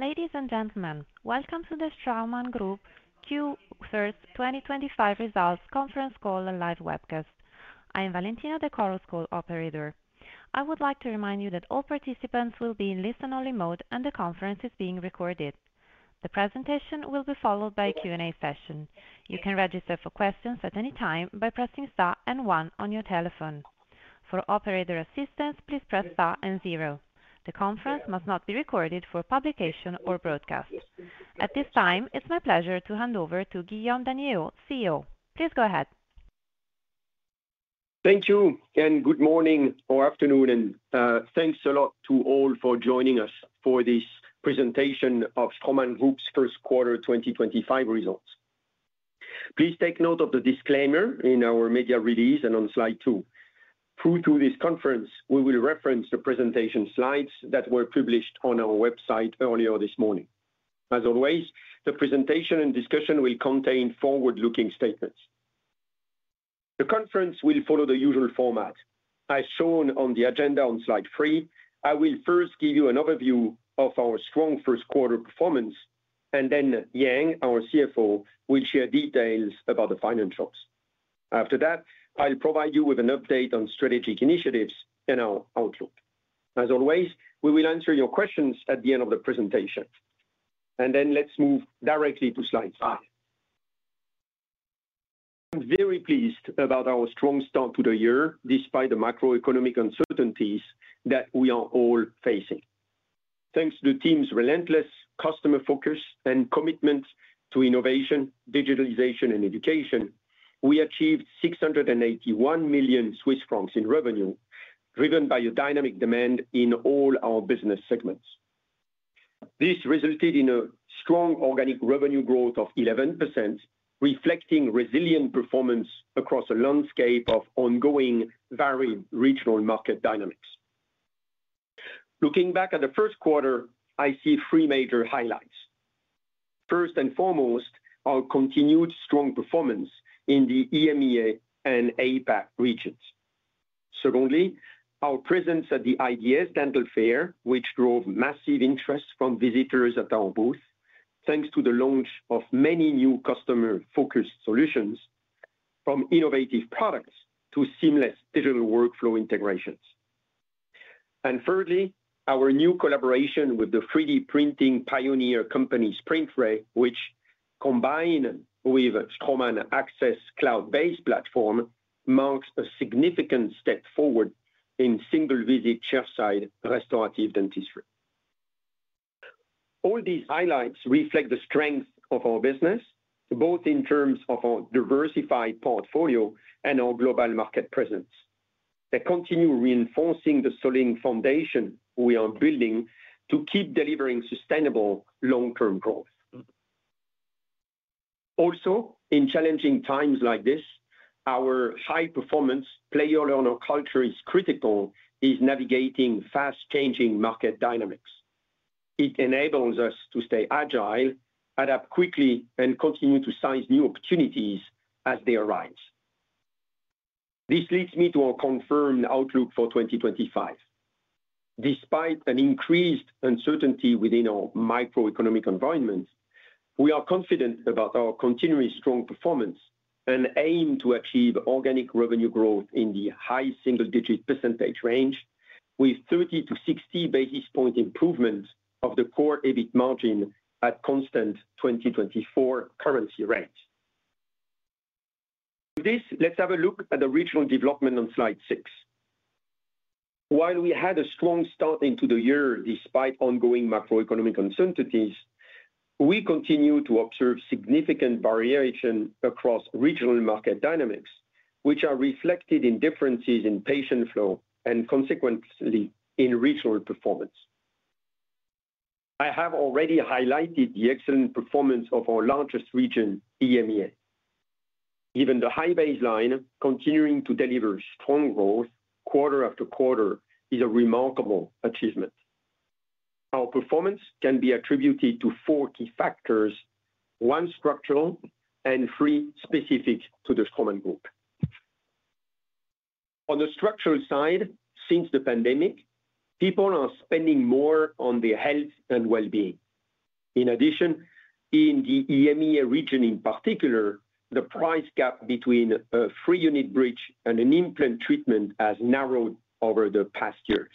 Ladies and gentlemen, welcome to the Straumann Group Q1 2025 results, conference call, and live webcast. I am Valentina, the Chorus Call operator. I would like to remind you that all participants will be in listen-only mode and the conference is being recorded. The presentation will be followed by a Q&A session. You can register for questions at any time by pressing Star and 1 on your telephone. For operator assistance, please press Star and 0. The conference must not be recorded for publication or broadcast. At this time, it's my pleasure to hand over to Guillaume Daniellot, CEO. Please go ahead. Thank you, and good morning or afternoon, and thanks a lot to all for joining us for this presentation of Straumann Group's first quarter 2025 results. Please take note of the disclaimer in our media release and on slide two. Through this conference, we will reference the presentation slides that were published on our website earlier this morning. As always, the presentation and discussion will contain forward-looking statements. The conference will follow the usual format. As shown on the agenda on slide three, I will first give you an overview of our strong first quarter performance, and then Yang, our CFO, will share details about the financials. After that, I'll provide you with an update on strategic initiatives and our outlook. As always, we will answer your questions at the end of the presentation. Let's move directly to slide five. I'm very pleased about our strong start to the year despite the macroeconomic uncertainties that we are all facing. Thanks to the team's relentless customer focus and commitment to innovation, digitalization, and education, we achieved 681 million Swiss francs in revenue, driven by a dynamic demand in all our business segments. This resulted in a strong organic revenue growth of 11%, reflecting resilient performance across a landscape of ongoing varied regional market dynamics. Looking back at the first quarter, I see three major highlights. First and foremost, our continued strong performance in the EMEA and APAC regions. Secondly, our presence at the IDS Dental Fair, which drove massive interest from visitors at our booth, thanks to the launch of many new customer-focused solutions, from innovative products to seamless digital workflow integrations. Thirdly, our new collaboration with the 3D printing pioneer company, SprintRay, which, combined with Straumann Access cloud-based platform, marks a significant step forward in single-visit chairside restorative dentistry. All these highlights reflect the strength of our business, both in terms of our diversified portfolio and our global market presence. They continue reinforcing the solid foundation we are building to keep delivering sustainable long-term growth. Also, in challenging times like this, our high-performance player-learner culture is critical in navigating fast-changing market dynamics. It enables us to stay agile, adapt quickly, and continue to seize new opportunities as they arise. This leads me to our confirmed outlook for 2025. Despite an increased uncertainty within our macroeconomic environment, we are confident about our continuing strong performance and aim to achieve organic revenue growth in the high single-digit % range, with 30-60 basis points improvement of the core EBIT margin at constant 2024 currency rates. With this, let's have a look at the regional development on slide six. While we had a strong start into the year despite ongoing macroeconomic uncertainties, we continue to observe significant variation across regional market dynamics, which are reflected in differences in patient flow and consequently in regional performance. I have already highlighted the excellent performance of our largest region, EMEA. Given the high baseline, continuing to deliver strong growth quarter after quarter is a remarkable achievement. Our performance can be attributed to four key factors, one structural and three specific to the Straumann Group. On the structural side, since the pandemic, people are spending more on their health and well-being. In addition, in the EMEA region in particular, the price gap between a three-unit bridge and an implant treatment has narrowed over the past years.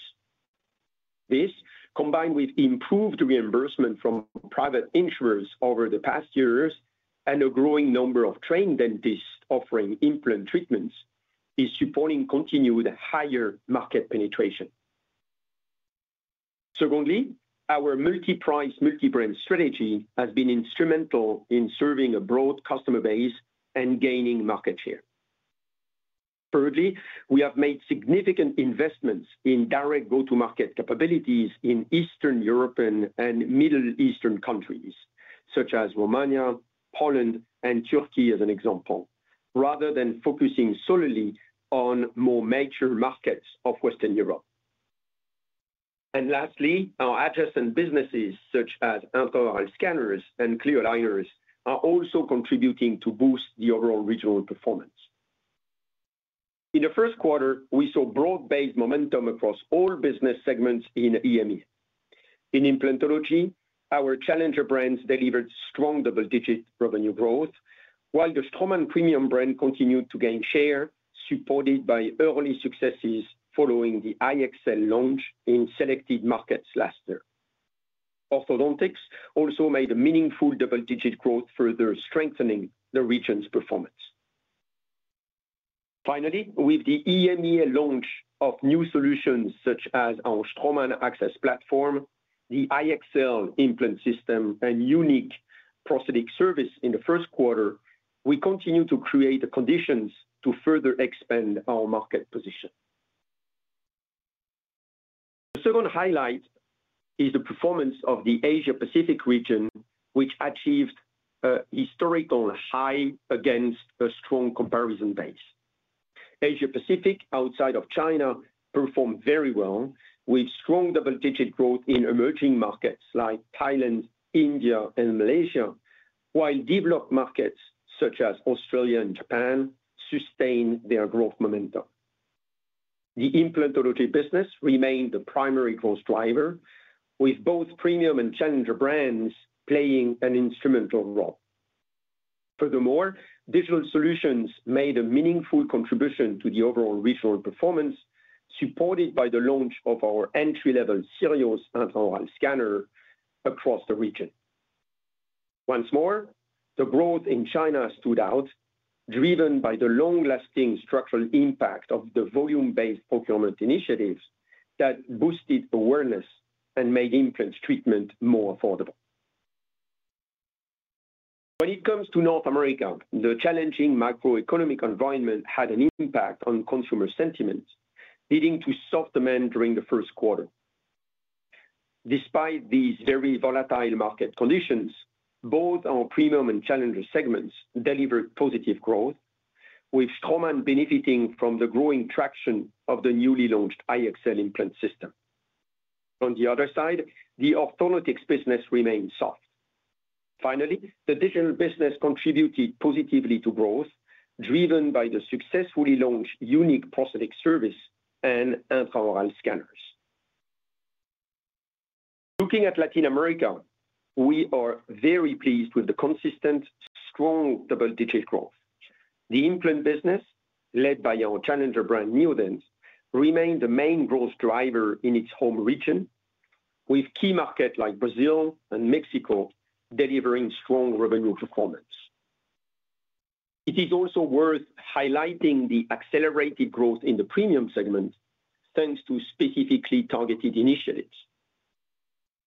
This, combined with improved reimbursement from private insurers over the past years and a growing number of trained dentists offering implant treatments, is supporting continued higher market penetration. Secondly, our multi-price, multi-brand strategy has been instrumental in serving a broad customer base and gaining market share. Thirdly, we have made significant investments in direct go-to-market capabilities in Eastern European and Middle Eastern countries, such as Romania, Poland, and Turkey as an example, rather than focusing solely on more mature markets of Western Europe. Lastly, our adjacent businesses, such as intraoral scanners and clear aligners, are also contributing to boost the overall regional performance. In the first quarter, we saw broad-based momentum across all business segments in EMEA. In implantology, our challenger brands delivered strong double-digit revenue growth, while the Straumann Premium brand continued to gain share, supported by early successes following the IXL launch in selected markets last year. Orthodontics also made a meaningful double-digit growth, further strengthening the region's performance. Finally, with the EMEA launch of new solutions such as our Straumann Access platform, the IXL implant system, and Unique prosthetic service in the first quarter, we continue to create the conditions to further expand our market position. The second highlight is the performance of the Asia-Pacific region, which achieved a historical high against a strong comparison base. Asia-Pacific outside of China performed very well, with strong double-digit growth in emerging markets like Thailand, India, and Malaysia, while developed markets such as Australia and Japan sustained their growth momentum. The implantology business remained the primary growth driver, with both premium and challenger brands playing an instrumental role. Furthermore, digital solutions made a meaningful contribution to the overall regional performance, supported by the launch of our entry-level Sirius intraoral scanner across the region. Once more, the growth in China stood out, driven by the long-lasting structural impact of the volume-based procurement initiatives that boosted awareness and made implant treatment more affordable. When it comes to North America, the challenging macroeconomic environment had an impact on consumer sentiment, leading to soft demand during the first quarter. Despite these very volatile market conditions, both our premium and challenger segments delivered positive growth, with Straumann benefiting from the growing traction of the newly launched IXL implant system. On the other side, the orthodontics business remained soft. Finally, the digital business contributed positively to growth, driven by the successfully launched Unique prosthetic service and intraoral scanners. Looking at Latin America, we are very pleased with the consistent, strong double-digit growth. The implant business, led by our challenger brand, Neodent, remained the main growth driver in its home region, with key markets like Brazil and Mexico delivering strong revenue performance. It is also worth highlighting the accelerated growth in the premium segment, thanks to specifically targeted initiatives.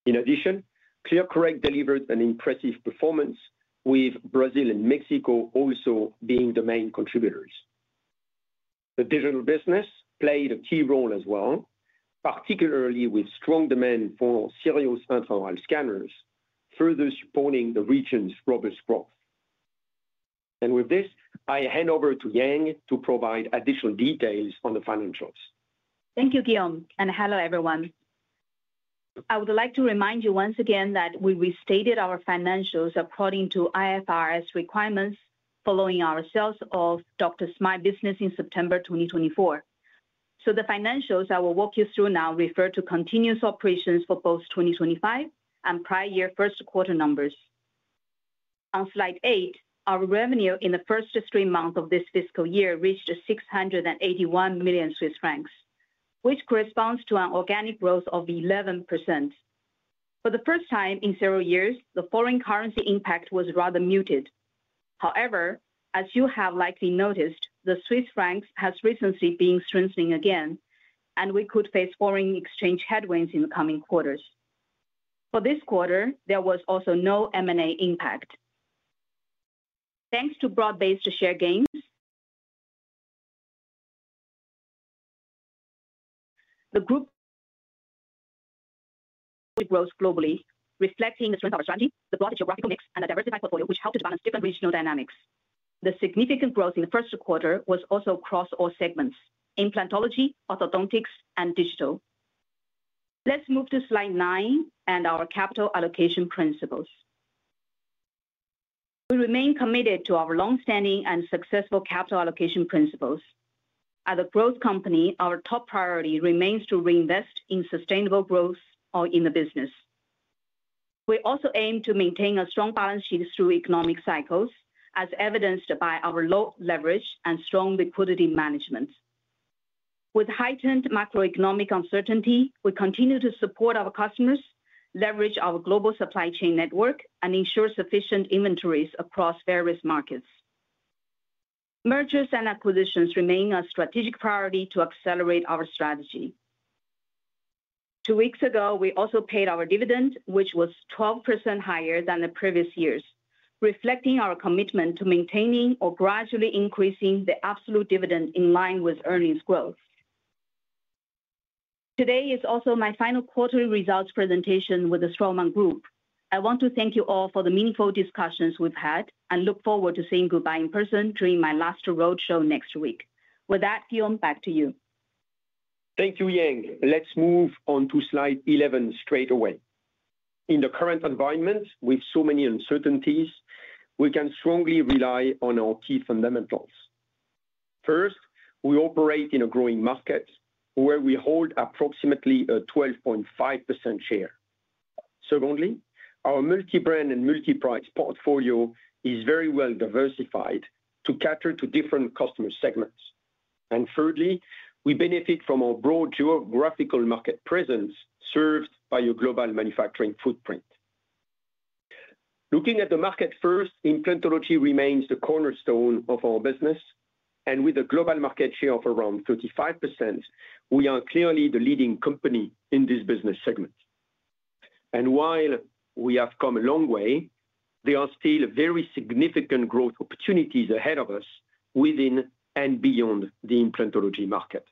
In addition, ClearCorrect delivered an impressive performance, with Brazil and Mexico also being the main contributors. The digital business played a key role as well, particularly with strong demand for Sirius intraoral scanners, further supporting the region's robust growth. I hand over to Yang to provide additional details on the financials. Thank you, Guillaume, and hello, everyone. I would like to remind you once again that we restated our financials according to IFRS requirements, following our sales of Doctor Smile Business in September 2024. The financials I will walk you through now refer to continuous operations for both 2025 and prior year first quarter numbers. On slide eight, our revenue in the first three months of this fiscal year reached 681 million Swiss francs, which corresponds to an organic growth of 11%. For the first time in several years, the foreign currency impact was rather muted. However, as you have likely noticed, the Swiss franc has recently been strengthening again, and we could face foreign exchange headwinds in the coming quarters. For this quarter, there was also no M&A impact. Thanks to broad-based share gains, the group grows globally, reflecting the strength of our strategy, the broad tissue of geographical mix, and the diversified portfolio, which helped to balance different regional dynamics. The significant growth in the first quarter was also across all segments: implantology, orthodontics, and digital. Let's move to slide nine and our capital allocation principles. We remain committed to our long-standing and successful capital allocation principles. As a growth company, our top priority remains to reinvest in sustainable growth or in the business. We also aim to maintain a strong balance sheet through economic cycles, as evidenced by our low leverage and strong liquidity management. With heightened macroeconomic uncertainty, we continue to support our customers, leverage our global supply chain network, and ensure sufficient inventories across various markets. Mergers and acquisitions remain a strategic priority to accelerate our strategy. Two weeks ago, we also paid our dividend, which was 12% higher than the previous years, reflecting our commitment to maintaining or gradually increasing the absolute dividend in line with earnings growth. Today is also my final quarterly results presentation with the Straumann Group. I want to thank you all for the meaningful discussions we've had and look forward to saying goodbye in person during my last roadshow next week. With that, Guillaume, back to you. Thank you, Yang. Let's move on to slide 11 straight away. In the current environment, with so many uncertainties, we can strongly rely on our key fundamentals. First, we operate in a growing market where we hold approximately a 12.5% share. Secondly, our multi-brand and multi-price portfolio is very well diversified to cater to different customer segments. Thirdly, we benefit from our broad geographical market presence served by a global manufacturing footprint. Looking at the market first, implantology remains the cornerstone of our business, and with a global market share of around 35%, we are clearly the leading company in this business segment. While we have come a long way, there are still very significant growth opportunities ahead of us within and beyond the implantology market.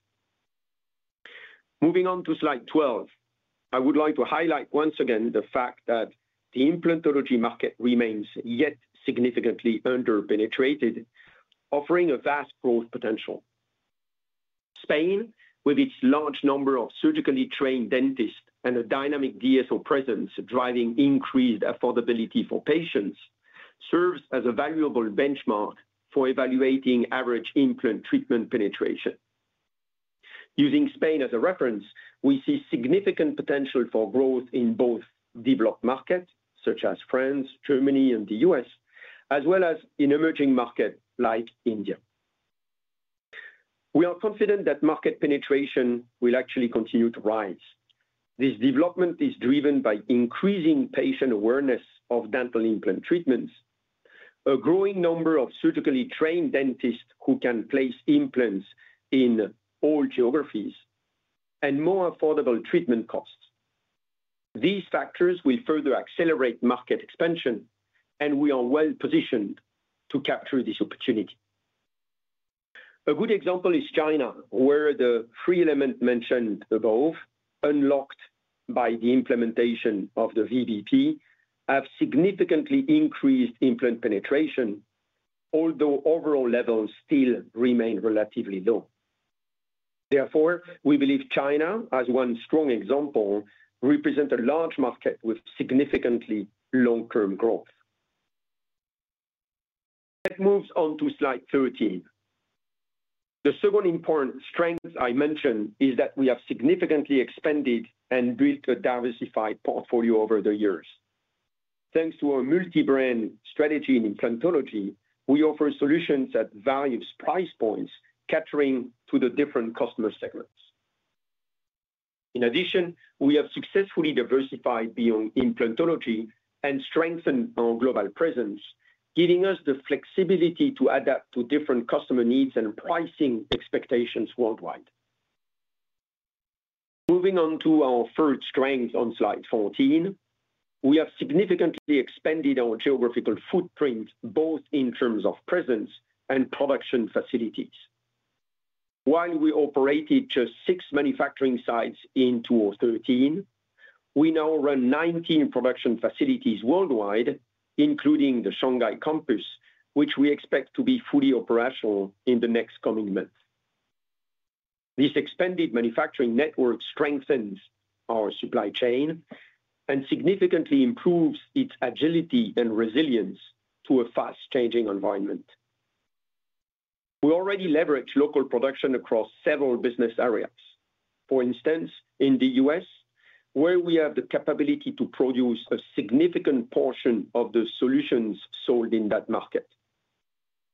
Moving on to slide 12, I would like to highlight once again the fact that the implantology market remains yet significantly under-penetrated, offering a vast growth potential. Spain, with its large number of surgically trained dentists and a dynamic DSO presence driving increased affordability for patients, serves as a valuable benchmark for evaluating average implant treatment penetration. Using Spain as a reference, we see significant potential for growth in both developed markets, such as France, Germany, and the US, as well as in emerging markets like India. We are confident that market penetration will actually continue to rise. This development is driven by increasing patient awareness of dental implant treatments, a growing number of surgically trained dentists who can place implants in all geographies, and more affordable treatment costs. These factors will further accelerate market expansion, and we are well positioned to capture this opportunity. A good example is China, where the three elements mentioned above, unlocked by the implementation of the VBP, have significantly increased implant penetration, although overall levels still remain relatively low. Therefore, we believe China, as one strong example, represents a large market with significantly long-term growth. That moves on to slide 13. The second important strength I mentioned is that we have significantly expanded and built a diversified portfolio over the years. Thanks to our multi-brand strategy in implantology, we offer solutions at various price points catering to the different customer segments. In addition, we have successfully diversified beyond implantology and strengthened our global presence, giving us the flexibility to adapt to different customer needs and pricing expectations worldwide. Moving on to our third strength on slide 14, we have significantly expanded our geographical footprint, both in terms of presence and production facilities. While we operated just six manufacturing sites in 2013, we now run 19 production facilities worldwide, including the Shanghai campus, which we expect to be fully operational in the next coming month. This expanded manufacturing network strengthens our supply chain and significantly improves its agility and resilience to a fast-changing environment. We already leverage local production across several business areas. For instance, in the US, where we have the capability to produce a significant portion of the solutions sold in that market.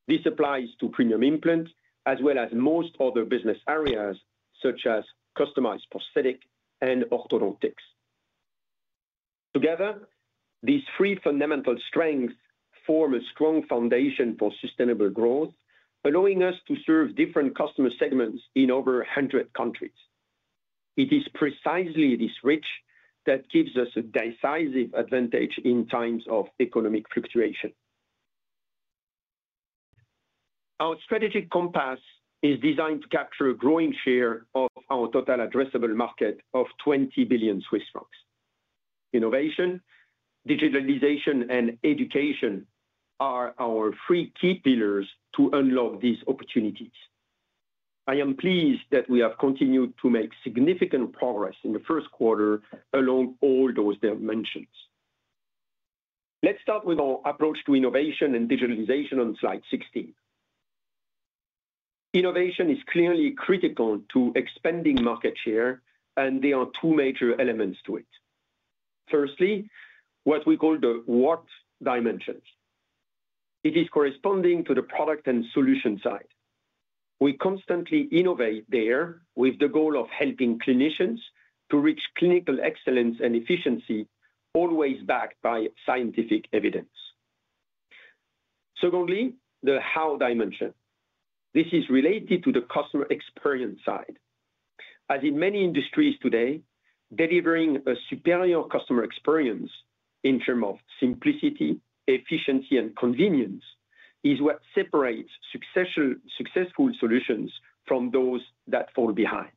This applies to premium implants, as well as most other business areas, such as customized prosthetics and orthodontics. Together, these three fundamental strengths form a strong foundation for sustainable growth, allowing us to serve different customer segments in over 100 countries. It is precisely this reach that gives us a decisive advantage in times of economic fluctuation. Our strategic compass is designed to capture a growing share of our total addressable market of 20 billion Swiss francs. Innovation, digitalization, and education are our three key pillars to unlock these opportunities. I am pleased that we have continued to make significant progress in the first quarter along all those dimensions. Let's start with our approach to innovation and digitalization on slide 16. Innovation is clearly critical to expanding market share, and there are two major elements to it. Firstly, what we call the WAT dimension. It is corresponding to the product and solution side. We constantly innovate there with the goal of helping clinicians to reach clinical excellence and efficiency, always backed by scientific evidence. Secondly, the HOW dimension. This is related to the customer experience side. As in many industries today, delivering a superior customer experience in terms of simplicity, efficiency, and convenience is what separates successful solutions from those that fall behind.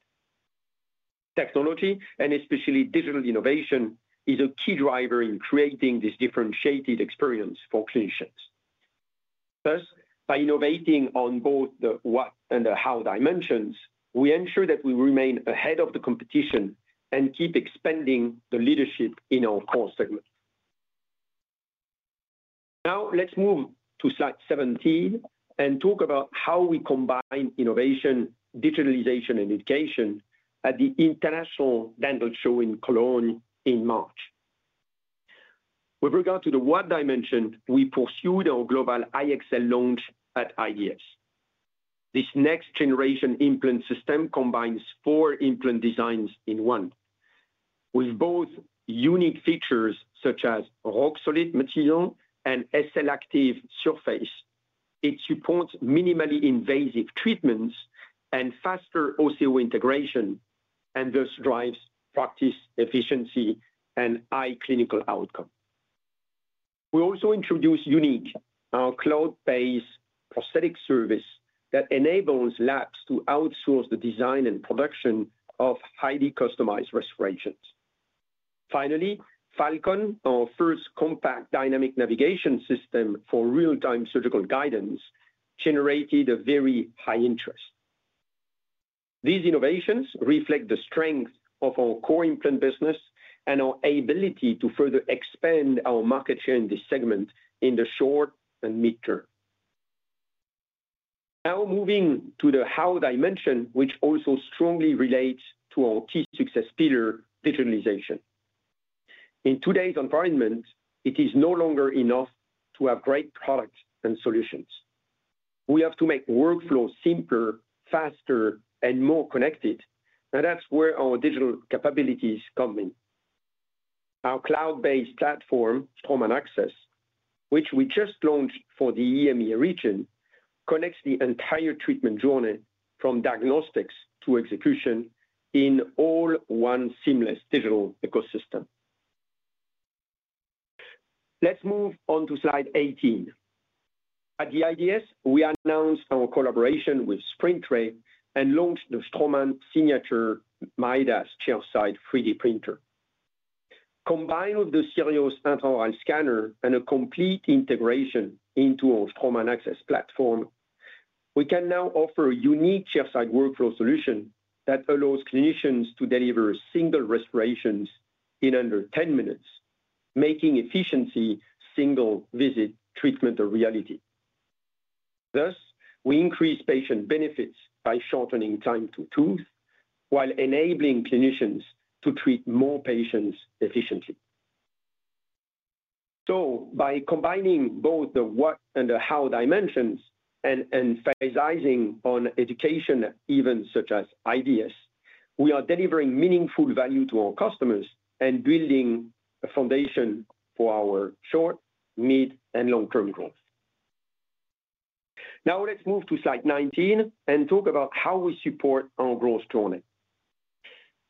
Technology, and especially digital innovation, is a key driver in creating this differentiated experience for clinicians. First, by innovating on both the WHAT and the HOW dimensions, we ensure that we remain ahead of the competition and keep expanding the leadership in our core segment. Now, let's move to slide 17 and talk about how we combine innovation, digitalization, and education at the International Dental Show in Cologne in March. With regard to the WHAT dimension, we pursued our global IXL launch at IDS. This next-generation implant system combines four implant designs in one. With both unique features such as rock-solid material and SLActive surface, it supports minimally invasive treatments and faster osseointegration, and thus drives practice efficiency and high clinical outcome. We also introduced Unique, our cloud-based prosthetic service that enables labs to outsource the design and production of highly customized restorations. Finally, Falcon, our first compact dynamic navigation system for real-time surgical guidance, generated a very high interest. These innovations reflect the strength of our core implant business and our ability to further expand our market share in this segment in the short and midterm. Now moving to the HOW dimension, which also strongly relates to our key success pillar, digitalization. In today's environment, it is no longer enough to have great products and solutions. We have to make workflows simpler, faster, and more connected, and that's where our digital capabilities come in. Our cloud-based platform, Straumann Access, which we just launched for the EMEA region, connects the entire treatment journey from diagnostics to execution in all one seamless digital ecosystem. Let's move on to slide 18. At the IDS, we announced our collaboration with SprintRay and launched the Straumann Signature Midas chairside 3D printer. Combined with the Sirius intraoral scanner and a complete integration into our Straumann Access platform, we can now offer a unique chairside workflow solution that allows clinicians to deliver single restorations in under 10 minutes, making efficiency single-visit treatment a reality. Thus, we increase patient benefits by shortening time to tooth while enabling clinicians to treat more patients efficiently. By combining both the WHAT and the HOW dimensions and emphasizing on education events such as IDS, we are delivering meaningful value to our customers and building a foundation for our short, mid, and long-term growth. Now, let's move to slide 19 and talk about how we support our growth journey.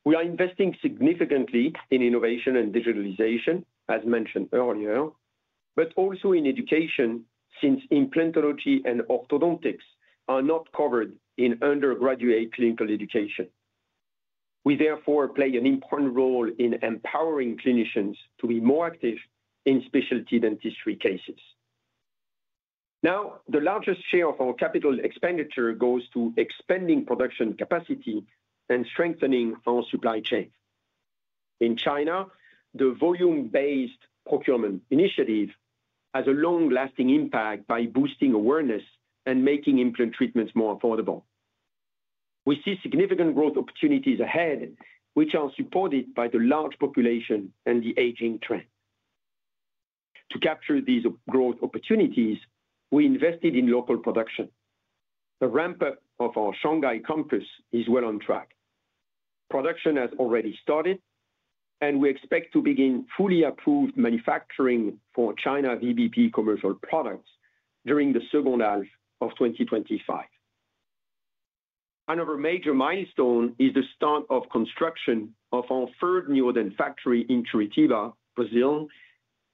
We are investing significantly in innovation and digitalization, as mentioned earlier, but also in education since implantology and orthodontics are not covered in undergraduate clinical education. We, therefore, play an important role in empowering clinicians to be more active in specialty dentistry cases. Now, the largest share of our capital expenditure goes to expanding production capacity and strengthening our supply chain. In China, the volume-based procurement initiative has a long-lasting impact by boosting awareness and making implant treatments more affordable. We see significant growth opportunities ahead, which are supported by the large population and the aging trend. To capture these growth opportunities, we invested in local production. The ramp-up of our Shanghai campus is well on track. Production has already started, and we expect to begin fully approved manufacturing for China VBP commercial products during the second half of 2025. Another major milestone is the start of construction of our third Neodent factory in Curitiba, Brazil,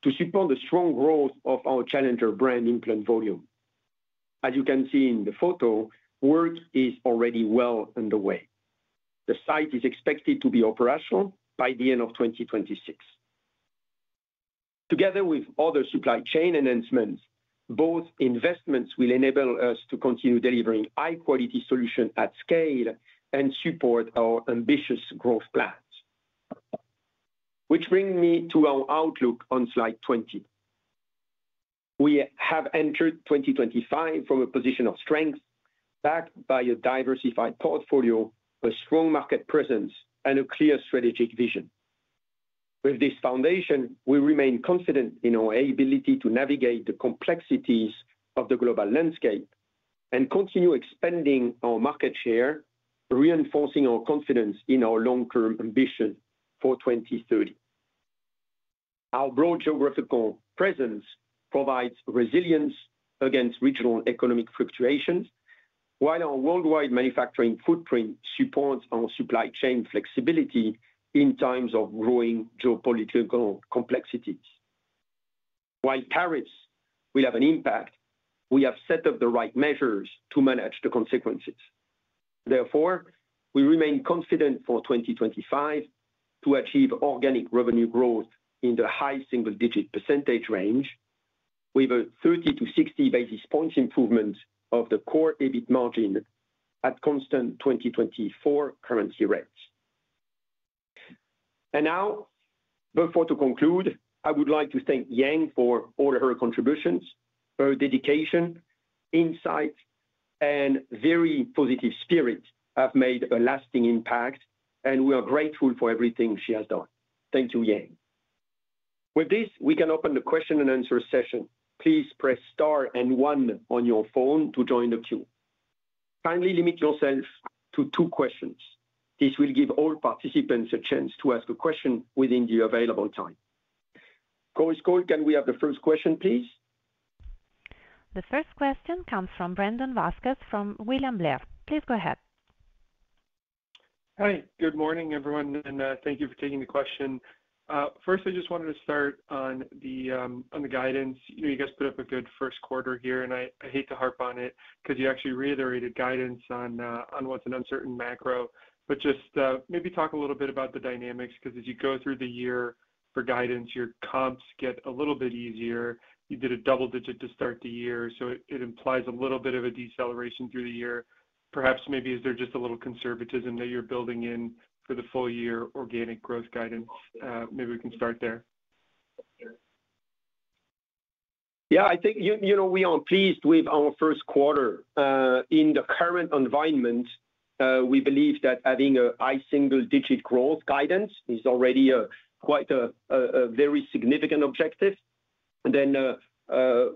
to support the strong growth of our Challenger brand implant volume. As you can see in the photo, work is already well underway. The site is expected to be operational by the end of 2026. Together with other supply chain enhancements, both investments will enable us to continue delivering high-quality solutions at scale and support our ambitious growth plans. Which brings me to our outlook on slide 20. We have entered 2025 from a position of strength, backed by a diversified portfolio, a strong market presence, and a clear strategic vision. With this foundation, we remain confident in our ability to navigate the complexities of the global landscape and continue expanding our market share, reinforcing our confidence in our long-term ambition for 2030. Our broad geographical presence provides resilience against regional economic fluctuations, while our worldwide manufacturing footprint supports our supply chain flexibility in times of growing geopolitical complexities. While tariffs will have an impact, we have set up the right measures to manage the consequences. Therefore, we remain confident for 2025 to achieve organic revenue growth in the high single-digit % range, with a 30-60 basis points improvement of the core EBIT margin at constant 2024 currency rates. Before I conclude, I would like to thank Yang for all her contributions. Her dedication, insight, and very positive spirit have made a lasting impact, and we are grateful for everything she has done. Thank you, Yang. With this, we can open the question and answer session. Please press Star and one on your phone to join the queue. Kindly limit yourself to two questions. This will give all participants a chance to ask a question within the available time. Coach Cole, can we have the first question, please? The first question comes from Brandon Vazquez from William Blair. Please go ahead. Hi, good morning, everyone, and thank you for taking the question. First, I just wanted to start on the guidance. You guys put up a good first quarter here, and I hate to harp on it because you actually reiterated guidance on what's an uncertain macro. Just maybe talk a little bit about the dynamics because as you go through the year for guidance, your comps get a little bit easier. You did a double digit to start the year, so it implies a little bit of a deceleration through the year. Perhaps maybe is there just a little conservatism that you're building in for the full year organic growth guidance? Maybe we can start there. Yeah, I think we are pleased with our first quarter. In the current environment, we believe that having a high single-digit growth guidance is already quite a very significant objective.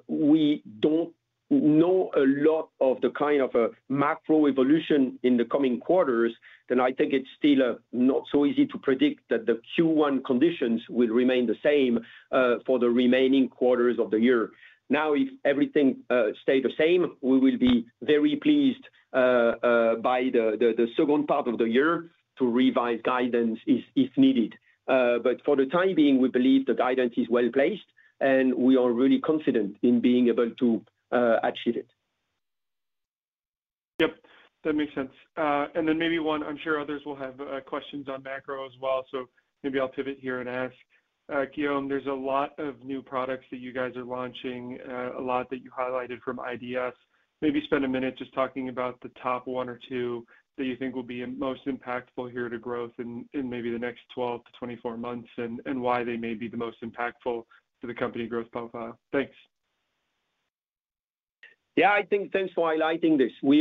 We do not know a lot of the kind of macro evolution in the coming quarters, so I think it is still not so easy to predict that the Q1 conditions will remain the same for the remaining quarters of the year. Now, if everything stayed the same, we would be very pleased by the second part of the year to revise guidance if needed. For the time being, we believe the guidance is well placed, and we are really confident in being able to achieve it. Yep, that makes sense. Maybe one, I am sure others will have questions on macro as well, so maybe I will pivot here and ask. Guillaume, there's a lot of new products that you guys are launching, a lot that you highlighted from IDS. Maybe spend a minute just talking about the top one or two that you think will be most impactful here to growth in maybe the next 12 to 24 months and why they may be the most impactful to the company growth profile. Thanks. Yeah, I think thanks for highlighting this. We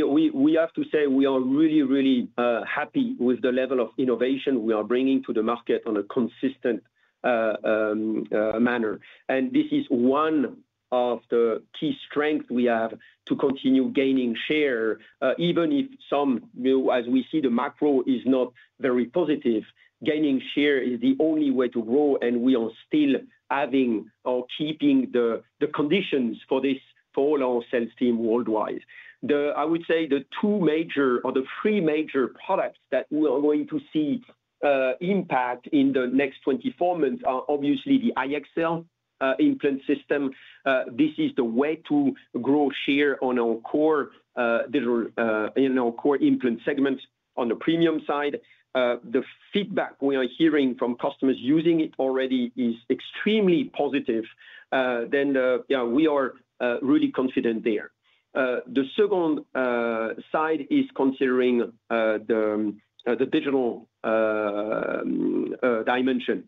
have to say we are really, really happy with the level of innovation we are bringing to the market on a consistent manner. This is one of the key strengths we have to continue gaining share, even if some, as we see the macro is not very positive, gaining share is the only way to grow, and we are still having or keeping the conditions for this for all our sales team worldwide. I would say the two major or the three major products that we are going to see impact in the next 24 months are obviously the IXL implant system. This is the way to grow share on our core implant segment on the premium side. The feedback we are hearing from customers using it already is extremely positive. We are really confident there. The second side is considering the digital dimension.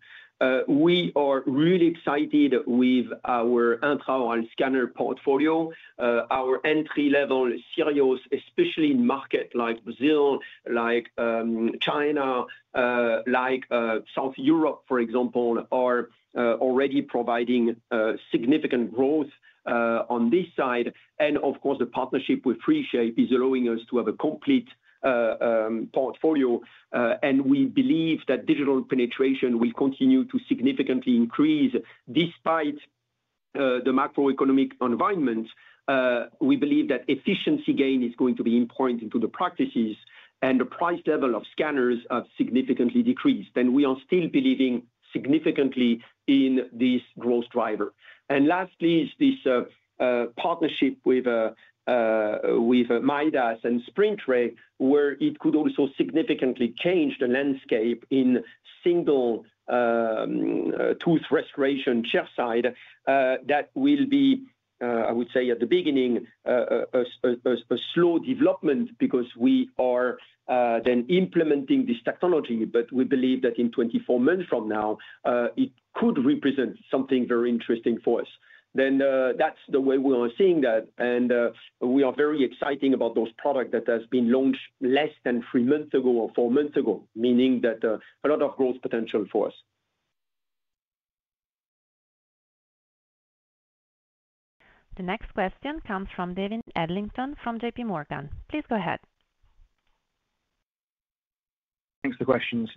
We are really excited with our intraoral scanner portfolio. Our entry-level Sirius, especially in markets like Brazil, like China, like South Europe, for example, are already providing significant growth on this side. Of course, the partnership with 3Shape is allowing us to have a complete portfolio. We believe that digital penetration will continue to significantly increase despite the macroeconomic environment. We believe that efficiency gain is going to be important into the practices, and the price level of scanners have significantly decreased. We are still believing significantly in this growth driver. Lastly, this partnership with Midas and SprintRay, where it could also significantly change the landscape in single-tooth restoration chairside, will be, I would say at the beginning, a slow development because we are then implementing this technology. We believe that in 24 months from now, it could represent something very interesting for us. That is the way we are seeing that. We are very excited about those products that have been launched less than three months ago or four months ago, meaning that a lot of growth potential for us. The next question comes from David Adlington from JP Morgan. Please go ahead. Thanks for the questions.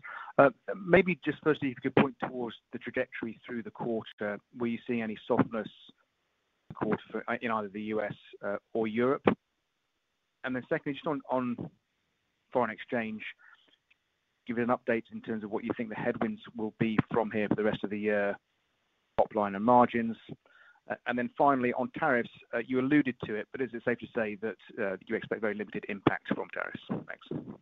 Maybe just firstly, if you could point towards the trajectory through the quarter, were you seeing any softness in quarter in either the US or Europe? Then secondly, just on foreign exchange, give you an update in terms of what you think the headwinds will be from here for the rest of the year, top line and margins. Finally, on tariffs, you alluded to it, but is it safe to say that you expect very limited impact from tariffs? Thanks.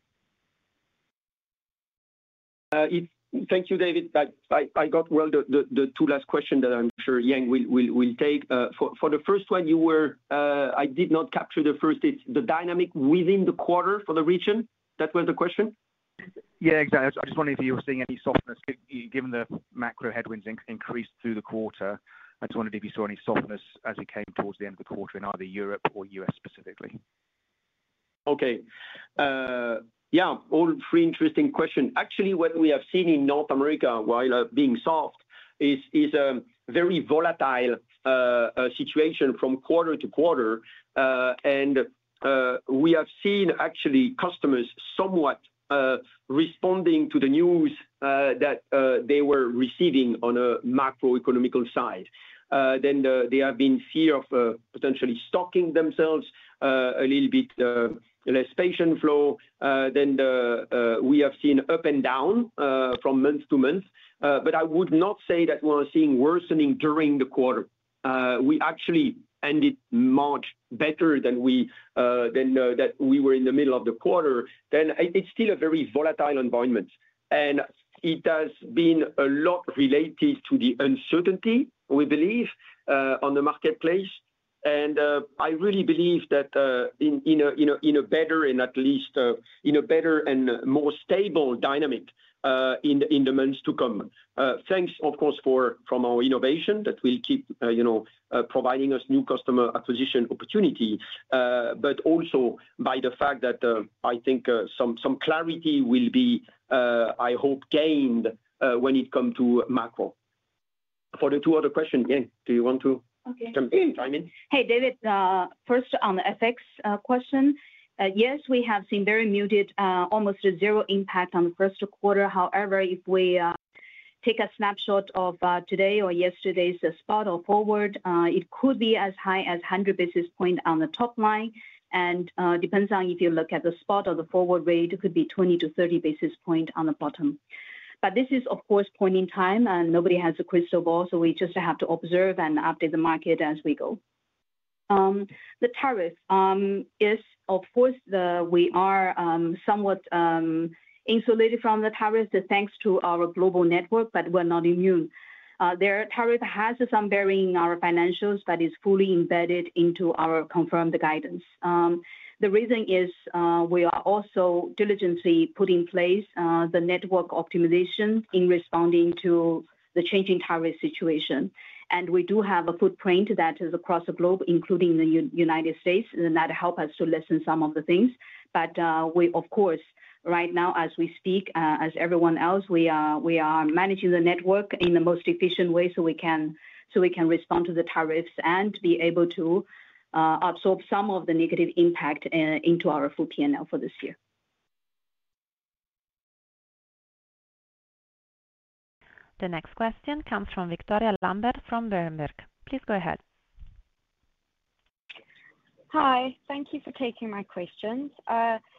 Thank you, David. I got the two last questions that I am sure Yang will take. For the first one, I did not capture the first. It is the dynamic within the quarter for the region. That was the question? Yeah, exactly. I just wondered if you were seeing any softness given the macro headwinds increased through the quarter. I just wondered if you saw any softness as it came towards the end of the quarter in either Europe or US specifically. Okay. Yeah, all three interesting questions. Actually, what we have seen in North America while being soft is a very volatile situation from quarter to quarter. We have seen actually customers somewhat responding to the news that they were receiving on a macroeconomical side. There have been fear of potentially stocking themselves a little bit, less patient flow. We have seen up and down from month to month. I would not say that we are seeing worsening during the quarter. We actually ended March better than we were in the middle of the quarter. It is still a very volatile environment. It has been a lot related to the uncertainty, we believe, on the marketplace. I really believe that in a better and at least in a better and more stable dynamic in the months to come. Thanks, of course, for from our innovation that will keep providing us new customer acquisition opportunity, but also by the fact that I think some clarity will be, I hope, gained when it comes to macro. For the two other questions, Yang, do you want to chime in? Hey, David, first on the FX question. Yes, we have seen very muted, almost zero impact on the first quarter. However, if we take a snapshot of today or yesterday's spot or forward, it could be as high as 100 basis points on the top line. It depends on if you look at the spot or the forward rate, it could be 20-30 basis points on the bottom. This is, of course, point in time, and nobody has a crystal ball, so we just have to observe and update the market as we go. The tariff is, of course, we are somewhat insulated from the tariffs thanks to our global network, but we're not immune. The tariff has some bearing in our financials, but it's fully embedded into our confirmed guidance. The reason is we are also diligently putting in place the network optimization in responding to the changing tariff situation. We do have a footprint that is across the globe, including the United States, and that helps us to lessen some of the things. We, of course, right now, as we speak, as everyone else, are managing the network in the most efficient way so we can respond to the tariffs and be able to absorb some of the negative impact into our full P&L for this year. The next question comes from Victoria Lambert from Berenberg. Please go ahead. Hi, thank you for taking my questions.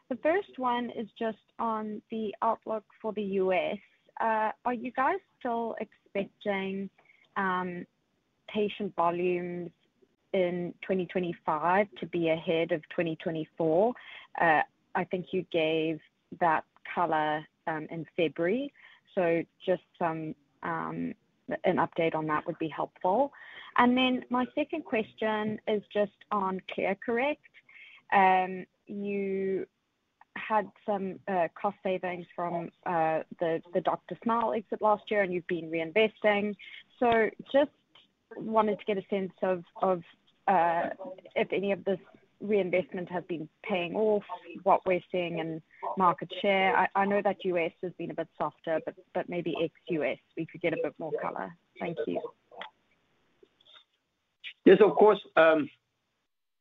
The first one is just on the outlook for the US. Are you guys still expecting patient volumes in 2025 to be ahead of 2024? I think you gave that color in February, so just an update on that would be helpful. My second question is just on ClearCorrect. You had some cost savings from the Doctor Smile exit last year, and you have been reinvesting. Just wanted to get a sense of if any of this reinvestment has been paying off, what we're seeing in market share. I know that US has been a bit softer, but maybe ex-US, we could get a bit more color. Thank you. Yes, of course.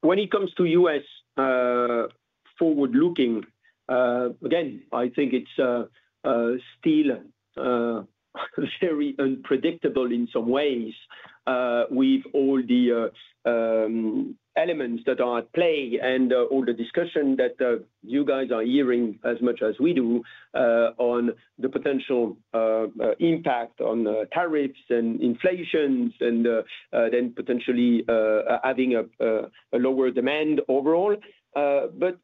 When it comes to US forward-looking, again, I think it's still very unpredictable in some ways with all the elements that are at play and all the discussion that you guys are hearing as much as we do on the potential impact on tariffs and inflations and then potentially having a lower demand overall.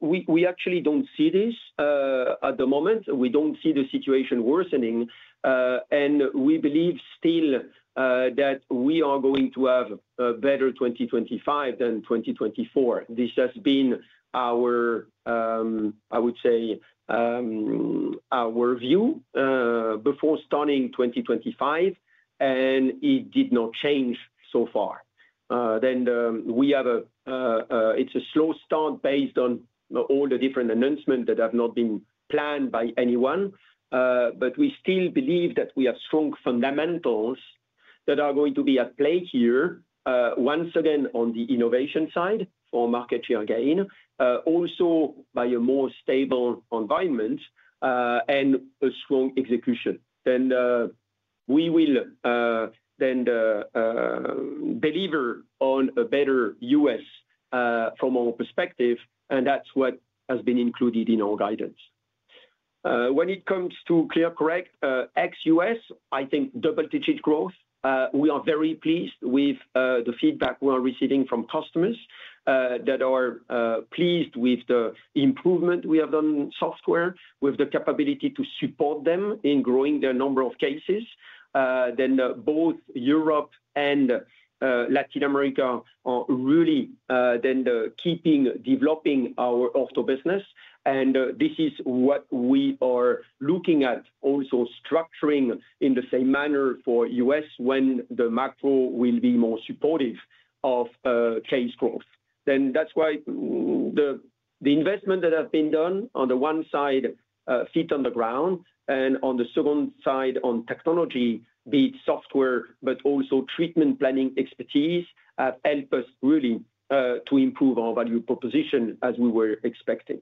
We actually don't see this at the moment. We don't see the situation worsening. We believe still that we are going to have a better 2025 than 2024. This has been our, I would say, our view before starting 2025, and it did not change so far. It is a slow start based on all the different announcements that have not been planned by anyone. We still believe that we have strong fundamentals that are going to be at play here, once again on the innovation side for market share gain, also by a more stable environment and a strong execution. We will then deliver on a better US from our perspective, and that is what has been included in our guidance. When it comes to ClearCorrect, ex-US, I think double-digit growth. We are very pleased with the feedback we are receiving from customers that are pleased with the improvement we have done in software, with the capability to support them in growing their number of cases. Both Europe and Latin America are really then keeping developing our auto business. This is what we are looking at also structuring in the same manner for the US when the macro will be more supportive of case growth. That is why the investment that has been done on the one side, feet on the ground, and on the second side on technology, be it software, but also treatment planning expertise, have helped us really to improve our value proposition as we were expecting.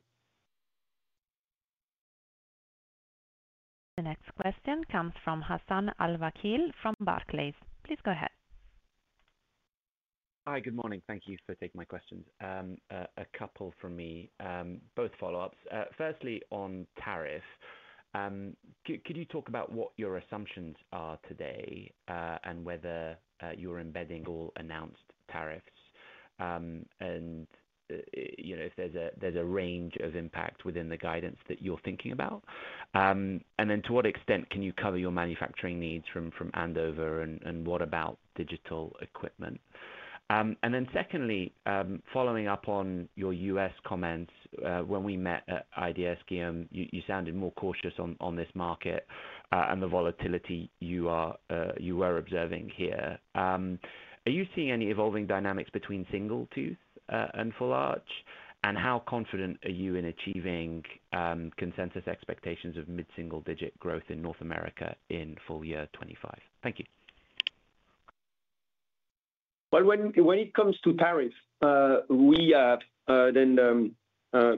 The next question comes from Hassan Al-Wakeel from Barclays. Please go ahead. Hi, good morning. Thank you for taking my questions. A couple from me, both follow-ups. Firstly, on tariffs, could you talk about what your assumptions are today and whether you're embedding all announced tariffs and if there's a range of impact within the guidance that you're thinking about? To what extent can you cover your manufacturing needs from Andover and what about digital equipment? Secondly, following up on your US comments, when we met at IDS, Guillaume, you sounded more cautious on this market and the volatility you were observing here. Are you seeing any evolving dynamics between single tooth and full arch? How confident are you in achieving consensus expectations of mid-single digit growth in North America in full year 2025? Thank you. When it comes to tariffs, we have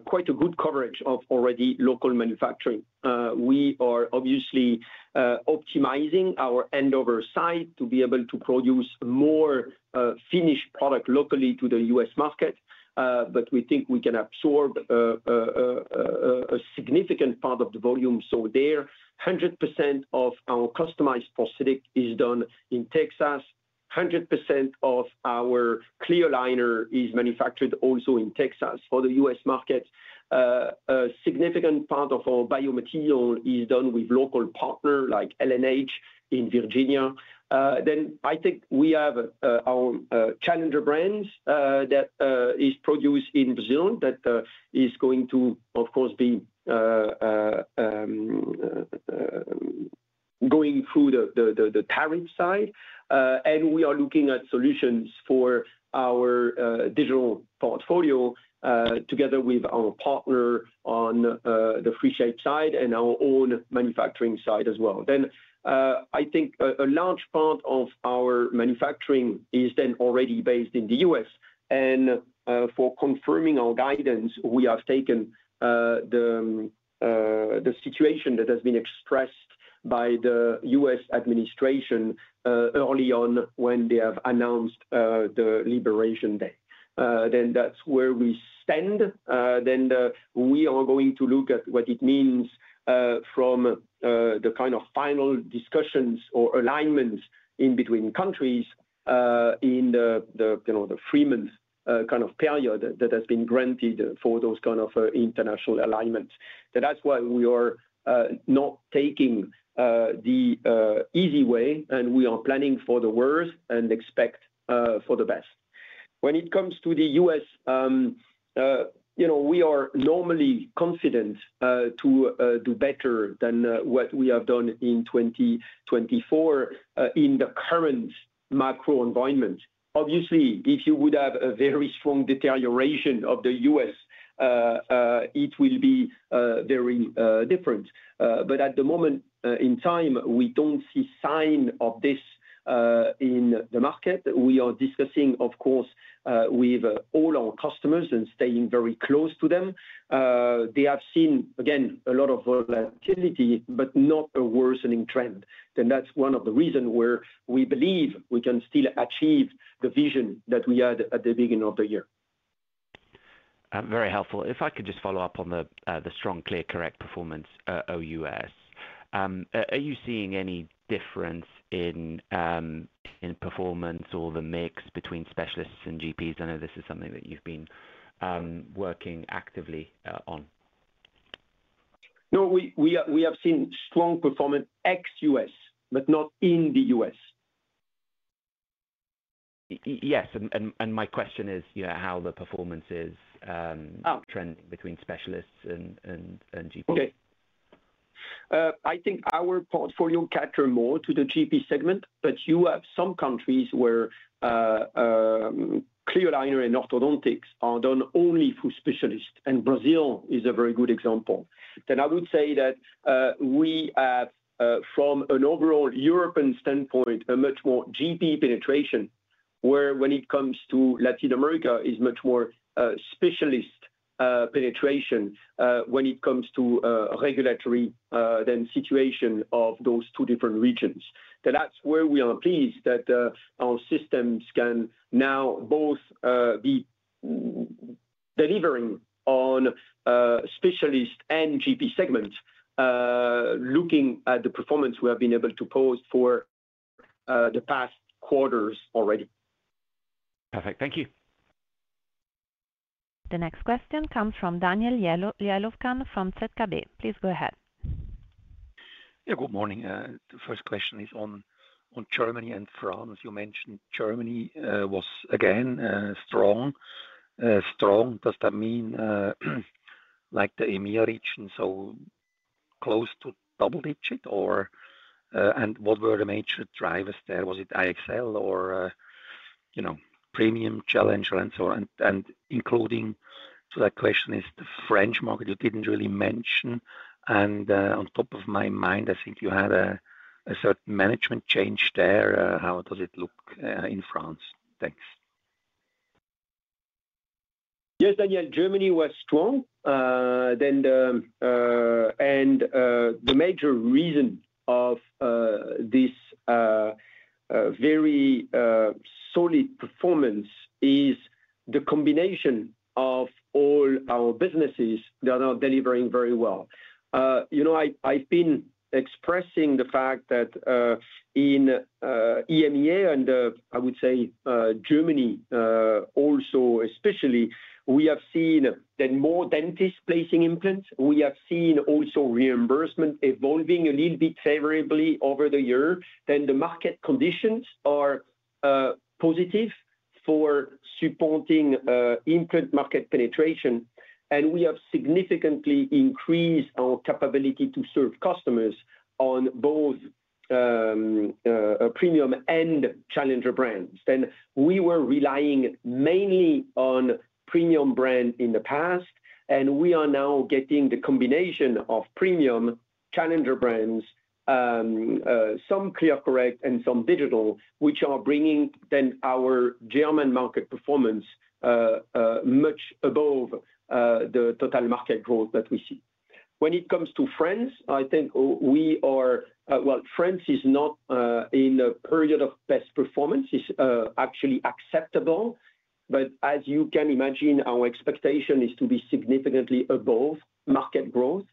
quite a good coverage of already local manufacturing. We are obviously optimizing our Andover site to be able to produce more finished product locally to the US market. We think we can absorb a significant part of the volume. There, 100% of our customized prosthetic is done in Texas. 100% of our ClearCorrect aligner is manufactured also in Texas for the US market. A significant part of our biomaterial is done with local partners like LNH in Virginia. I think we have our Challenger brand that is produced in Brazil that is going to, of course, be going through the tariff side. We are looking at solutions for our digital portfolio together with our partner on the 3Shape side and our own manufacturing side as well. I think a large part of our manufacturing is already based in the US. For confirming our guidance, we have taken the situation that has been expressed by the US administration early on when they have announced the liberation day. That is where we stand. We are going to look at what it means from the kind of final discussions or alignments in between countries in the three-month kind of period that has been granted for those kind of international alignments. That's why we are not taking the easy way, and we are planning for the worst and expect for the best. When it comes to the US, we are normally confident to do better than what we have done in 2024 in the current macro environment. Obviously, if you would have a very strong deterioration of the US, it will be very different. At the moment in time, we do not see signs of this in the market. We are discussing, of course, with all our customers and staying very close to them. They have seen, again, a lot of volatility, but not a worsening trend. That is one of the reasons where we believe we can still achieve the vision that we had at the beginning of the year. Very helpful. If I could just follow up on the strong ClearCorrect performance OUS are you seeing any difference in performance or the mix between specialists and GPs? I know this is something that you've been working actively on. No, we have seen strong performance ex-US, but not in the US. Yes. And my question is how the performance is trending between specialists and GPs. Okay. I think our portfolio caters more to the GP segment, but you have some countries where clear aligner and orthodontics are done only for specialists, and Brazil is a very good example. I would say that we have, from an overall European standpoint, a much more GP penetration where when it comes to Latin America, it is much more specialist penetration when it comes to regulatory than situation of those two different regions. That's where we are pleased that our systems can now both be delivering on specialist and GP segments, looking at the performance we have been able to post for the past quarters already. Perfect. Thank you. The next question comes from Daniel Jelovcan from ZKB. Please go ahead. Yeah, good morning. The first question is on Germany and France. You mentioned Germany was again strong. Strong, does that mean like the EMEA region, so close to double-digit? What were the major drivers there? Was it IXL or Premium Challenger and so on? Including to that question is the French market, you did not really mention. On top of my mind, I think you had a certain management change there. How does it look in France? Thanks. Yes, Daniel, Germany was strong. The major reason of this very solid performance is the combination of all our businesses that are delivering very well. I've been expressing the fact that in EMEA and I would say Germany also, especially, we have seen more dentists placing implants. We have seen also reimbursement evolving a little bit favorably over the year. The market conditions are positive for supporting implant market penetration. We have significantly increased our capability to serve customers on both Premium and Challenger brands. We were relying mainly on Premium brand in the past, and we are now getting the combination of Premium Challenger brands, some ClearCorrect and some digital, which are bringing our German market performance much above the total market growth that we see. When it comes to France, I think we are, France is not in a period of best performance. It's actually acceptable. As you can imagine, our expectation is to be significantly above market growth.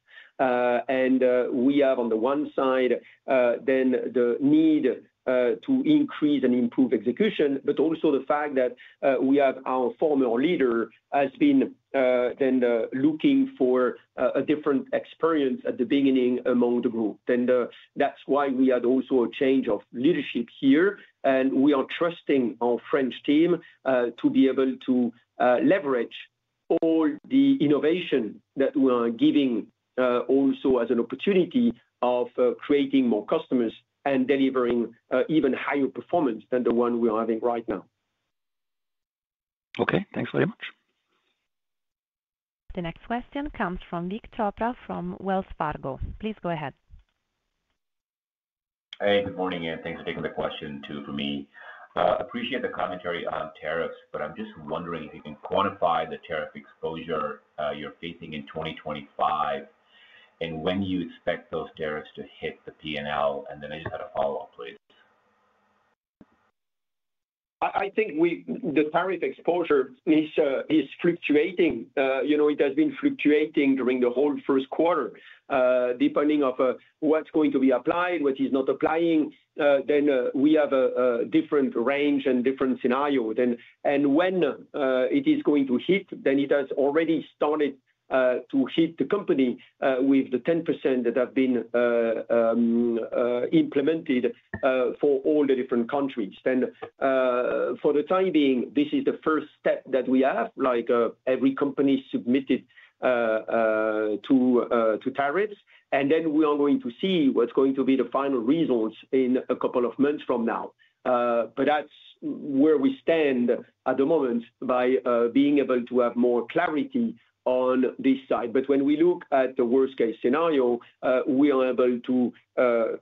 We have on the one side the need to increase and improve execution, but also the fact that our former leader has been looking for a different experience at the beginning among the group. That is why we had a change of leadership here, and we are trusting our French team to be able to leverage all the innovation that we are giving also as an opportunity of creating more customers and delivering even higher performance than the one we are having right now. Okay, thanks very much. The next question comes from Vik Chopra from Wells Fargo. Please go ahead. Hey, good morning, and thanks for taking the question, two for me. Appreciate the commentary on tariffs, but I'm just wondering if you can quantify the tariff exposure you're facing in 2025 and when you expect those tariffs to hit the P&L. I just had a follow-up, please. I think the tariff exposure is fluctuating. It has been fluctuating during the whole first quarter, depending on what's going to be applied, what is not applying. We have a different range and different scenario. When it is going to hit, it has already started to hit the company with the 10% that have been implemented for all the different countries. For the time being, this is the first step that we have, like every company submitted to tariffs. We are going to see what's going to be the final results in a couple of months from now. That is where we stand at the moment by being able to have more clarity on this side. When we look at the worst-case scenario, we are able to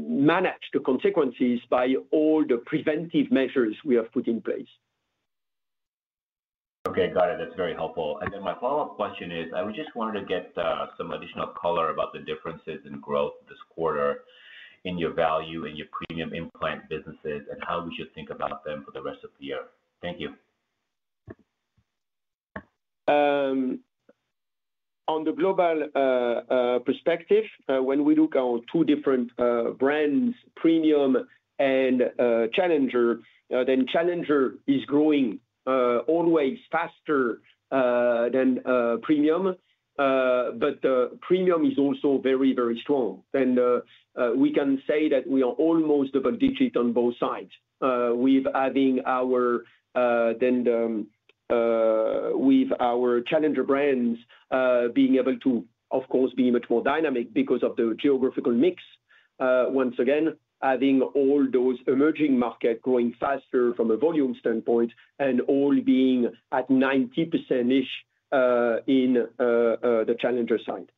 manage the consequences by all the preventive measures we have put in place. Okay, got it. That is very helpful. My follow-up question is, I would just want to get some additional color about the differences in growth this quarter in your value and your premium implant businesses and how we should think about them for the rest of the year. Thank you. On the global perspective, when we look at our two different brands, Premium and Challenger, Challenger is growing always faster than Premium. Premium is also very, very strong. We can say that we are almost double-digit on both sides with our Challenger brands being able to, of course, be much more dynamic because of the geographical mix. Once again, having all those emerging markets growing faster from a volume standpoint and all being at 90%-ish in the Challenger side.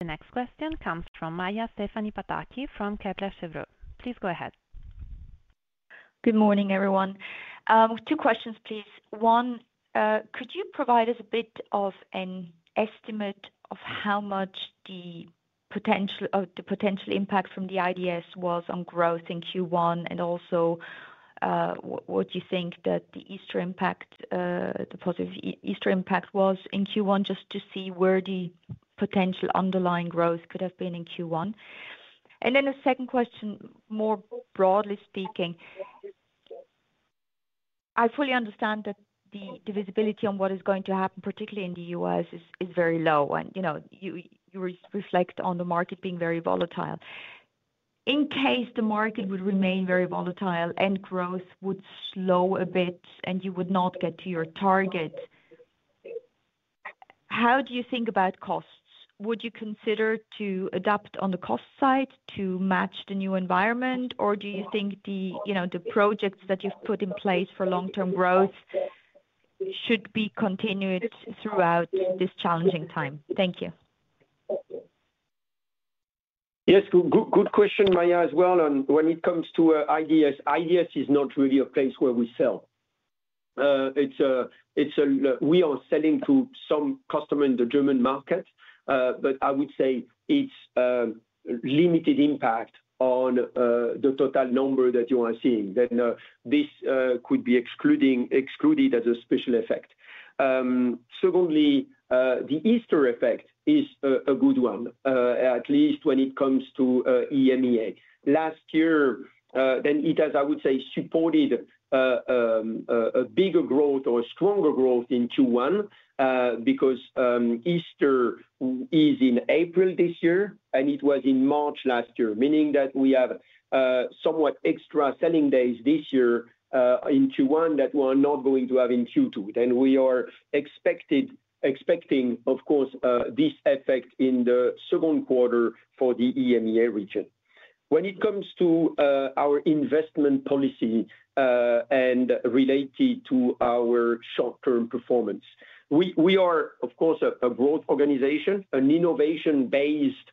The next question comes from Maja Stephanie Pataki from Kepler Cheuvreux. Please go ahead. Good morning, everyone. Two questions, please. One, could you provide us a bit of an estimate of how much the potential impact from the IDS was on growth in Q1 and also what you think that the Easter impact, the positive Easter impact was in Q1, just to see where the potential underlying growth could have been in Q1? A second question, more broadly speaking. I fully understand that the visibility on what is going to happen, particularly in the US, is very low. You reflect on the market being very volatile. In case the market would remain very volatile and growth would slow a bit and you would not get to your target, how do you think about costs? Would you consider to adapt on the cost side to match the new environment, or do you think the projects that you've put in place for long-term growth should be continued throughout this challenging time? Thank you. Yes, good question, Maja, as well. When it comes to IDS, IDS is not really a place where we sell. We are selling to some customers in the German market, but I would say it is limited impact on the total number that you are seeing. This could be excluded as a special effect. Secondly, the Easter effect is a good one, at least when it comes to EMEA. Last year, it has, I would say, supported a bigger growth or stronger growth in Q1 because Easter is in April this year, and it was in March last year, meaning that we have somewhat extra selling days this year in Q1 that we are not going to have in Q2. We are expecting, of course, this effect in the second quarter for the EMEA region. When it comes to our investment policy and related to our short-term performance, we are, of course, a growth organization, an innovation-based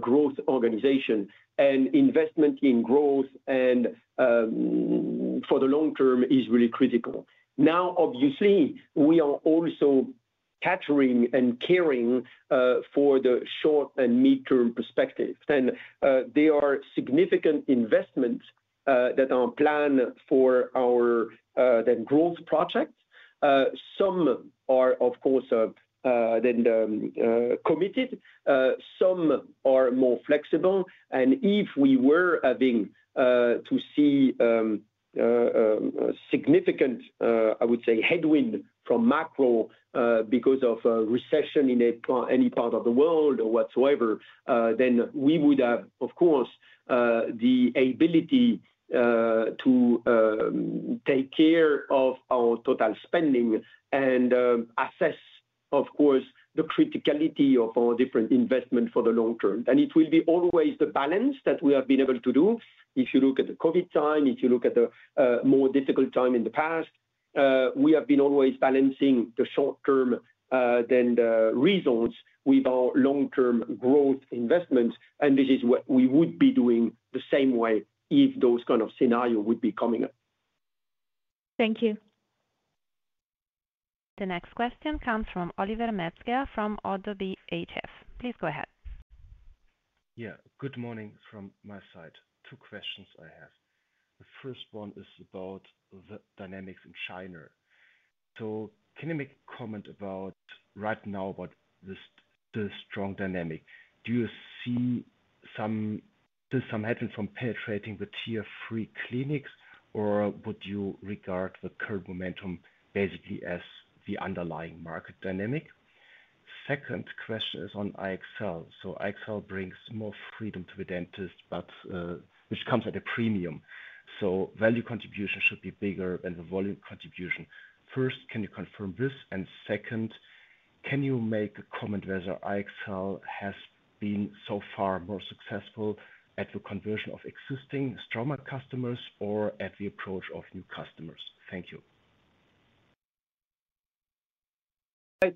growth organization, and investment in growth for the long term is really critical. Obviously, we are also catering and caring for the short and mid-term perspective. There are significant investments that are planned for our growth project. Some are, of course, committed. Some are more flexible. If we were having to see significant, I would say, headwind from macro because of a recession in any part of the world or whatsoever, we would have, of course, the ability to take care of our total spending and assess, of course, the criticality of our different investments for the long term. It will be always the balance that we have been able to do. If you look at the COVID time, if you look at the more difficult time in the past, we have been always balancing the short-term then reasons with our long-term growth investments. This is what we would be doing the same way if those kind of scenarios would be coming up. Thank you. The next question comes from Oliver Metzger from Oddo BHF. Please go ahead. Yeah, good morning from my side. Two questions I have. The first one is about the dynamics in China. Can you make a comment right now about the strong dynamic? Do you see some happening from penetrating the tier-three clinics, or would you regard the current momentum basically as the underlying market dynamic? Second question is on IXL. IXL brings more freedom to the dentist, which comes at a premium. Value contribution should be bigger than the volume contribution. First, can you confirm this? Second, can you make a comment whether IXL has been so far more successful at the conversion of existing Straumann customers or at the approach of new customers? Thank you.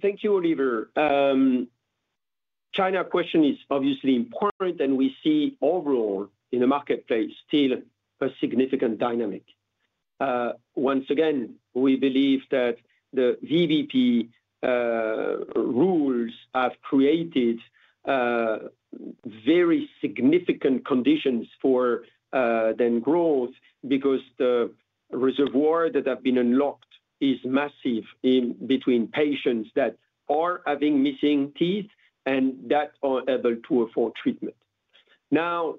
Thank you, Oliver. China question is obviously important, and we see overall in the marketplace still a significant dynamic. Once again, we believe that the VBP rules have created very significant conditions for then growth because the reservoir that have been unlocked is massive between patients that are having missing teeth and that are able to afford treatment. Now,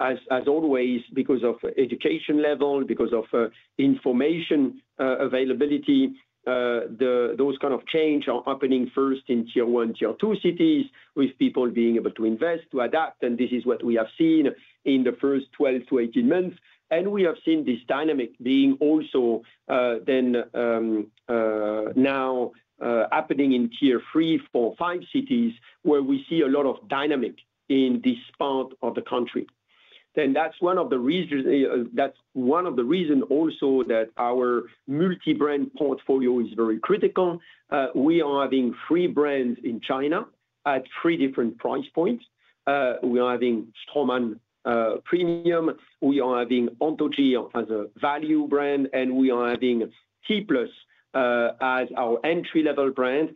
as always, because of education level, because of information availability, those kind of change are happening first in tier-one, tier-two cities with people being able to invest, to adapt. This is what we have seen in the first 12 to 18 months. We have seen this dynamic being also then now happening in tier-three, four, five cities where we see a lot of dynamic in this part of the country. That is one of the reasons, that is one of the reasons also that our multi-brand portfolio is very critical. We are having three brands in China at three different price points. We are having Straumann Premium. We are having Oddo G as a value brand, and we are having T+ as our entry-level brand.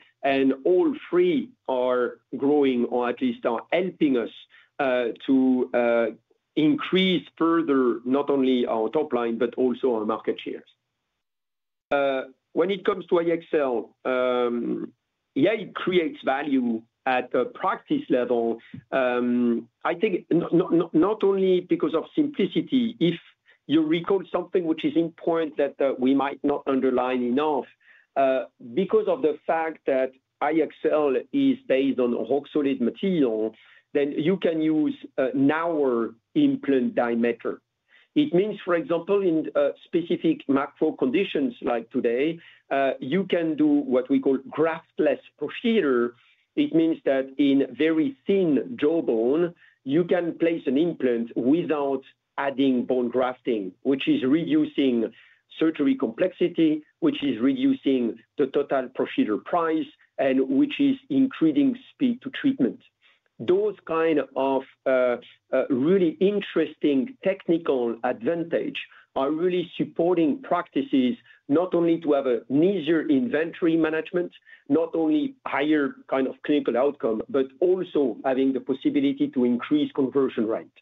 All three are growing or at least are helping us to increase further not only our top line, but also our market shares. When it comes to IXL, yeah, it creates value at a practice level, I think not only because of simplicity. If you recall something which is important that we might not underline enough, because of the fact that IXL is based on rock-solid material, then you can use an hour implant diameter. It means, for example, in specific macro conditions like today, you can do what we call graftless procedure. It means that in very thin jawbone, you can place an implant without adding bone grafting, which is reducing surgery complexity, which is reducing the total procedure price, and which is increasing speed to treatment. Those kind of really interesting technical advantage are really supporting practices not only to have a measure inventory management, not only higher kind of clinical outcome, but also having the possibility to increase conversion rate.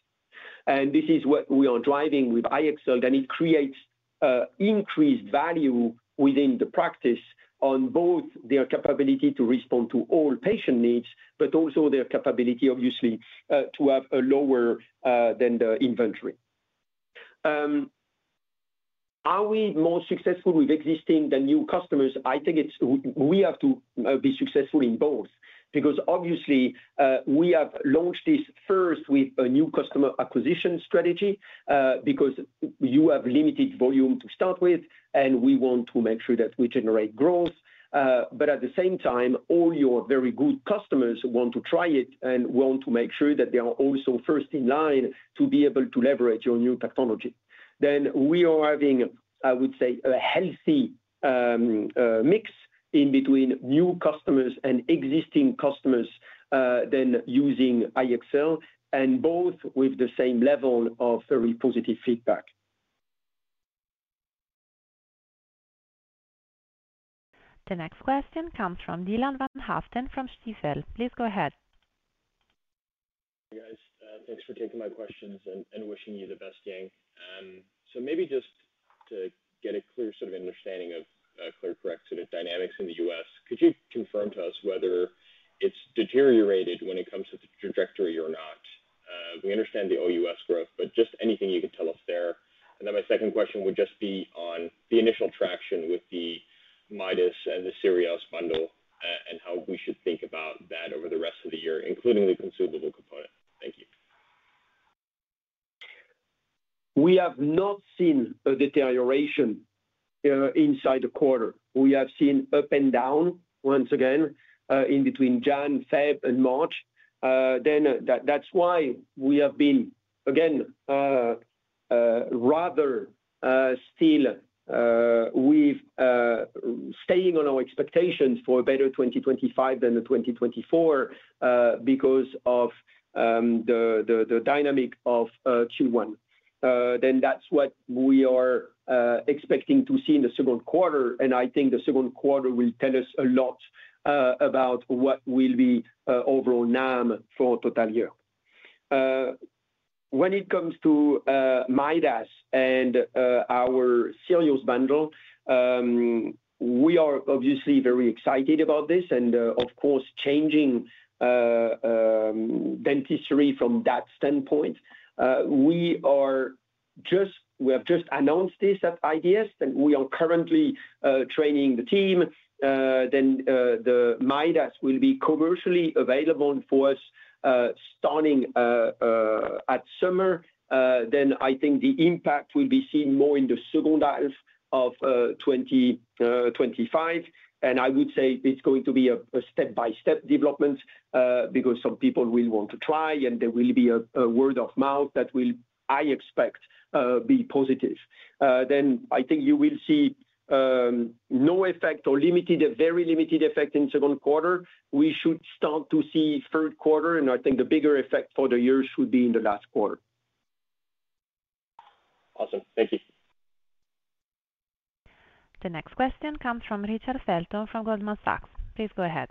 This is what we are driving with IXL, and it creates increased value within the practice on both their capability to respond to all patient needs, but also their capability, obviously, to have a lower than the inventory. Are we more successful with existing than new customers? I think we have to be successful in both because obviously we have launched this first with a new customer acquisition strategy because you have limited volume to start with, and we want to make sure that we generate growth. At the same time, all your very good customers want to try it and want to make sure that they are also first in line to be able to leverage your new technology. We are having, I would say, a healthy mix in between new customers and existing customers then using IXL and both with the same level of very positive feedback. The next question comes from Dylan van Haaften from Stifel. Please go ahead. Hey, guys. Thanks for taking my questions and wishing you the best, gang. Maybe just to get a clear sort of understanding of ClearCorrect dynamics in the US, could you confirm to us whether it's deteriorated when it comes to the trajectory or not? We understand the OUS growth, but just anything you can tell us there. My second question would just be on the initial traction with the Midas and the Sirius bundle and how we should think about that over the rest of the year, including the consumable component. Thank you. We have not seen a deterioration inside the quarter. We have seen up and down once again in between January, February, and March. That is why we have been, again, rather still with staying on our expectations for a better 2025 than a 2024 because of the dynamic of Q1. That is what we are expecting to see in the second quarter. I think the second quarter will tell us a lot about what will be overall NAM for the total year. When it comes to Midas and our Sirius bundle, we are obviously very excited about this and, of course, changing dentistry from that standpoint. We have just announced this at IDS, and we are currently training the team. The Midas will be commercially available for us starting at summer. I think the impact will be seen more in the second half of 2025. I would say it's going to be a step-by-step development because some people will want to try, and there will be a word of mouth that will, I expect, be positive. I think you will see no effect or limited, a very limited effect in second quarter. We should start to see third quarter, and I think the bigger effect for the year should be in the last quarter. Awesome. Thank you. The next question comes from Richard Felton from Goldman Sachs. Please go ahead.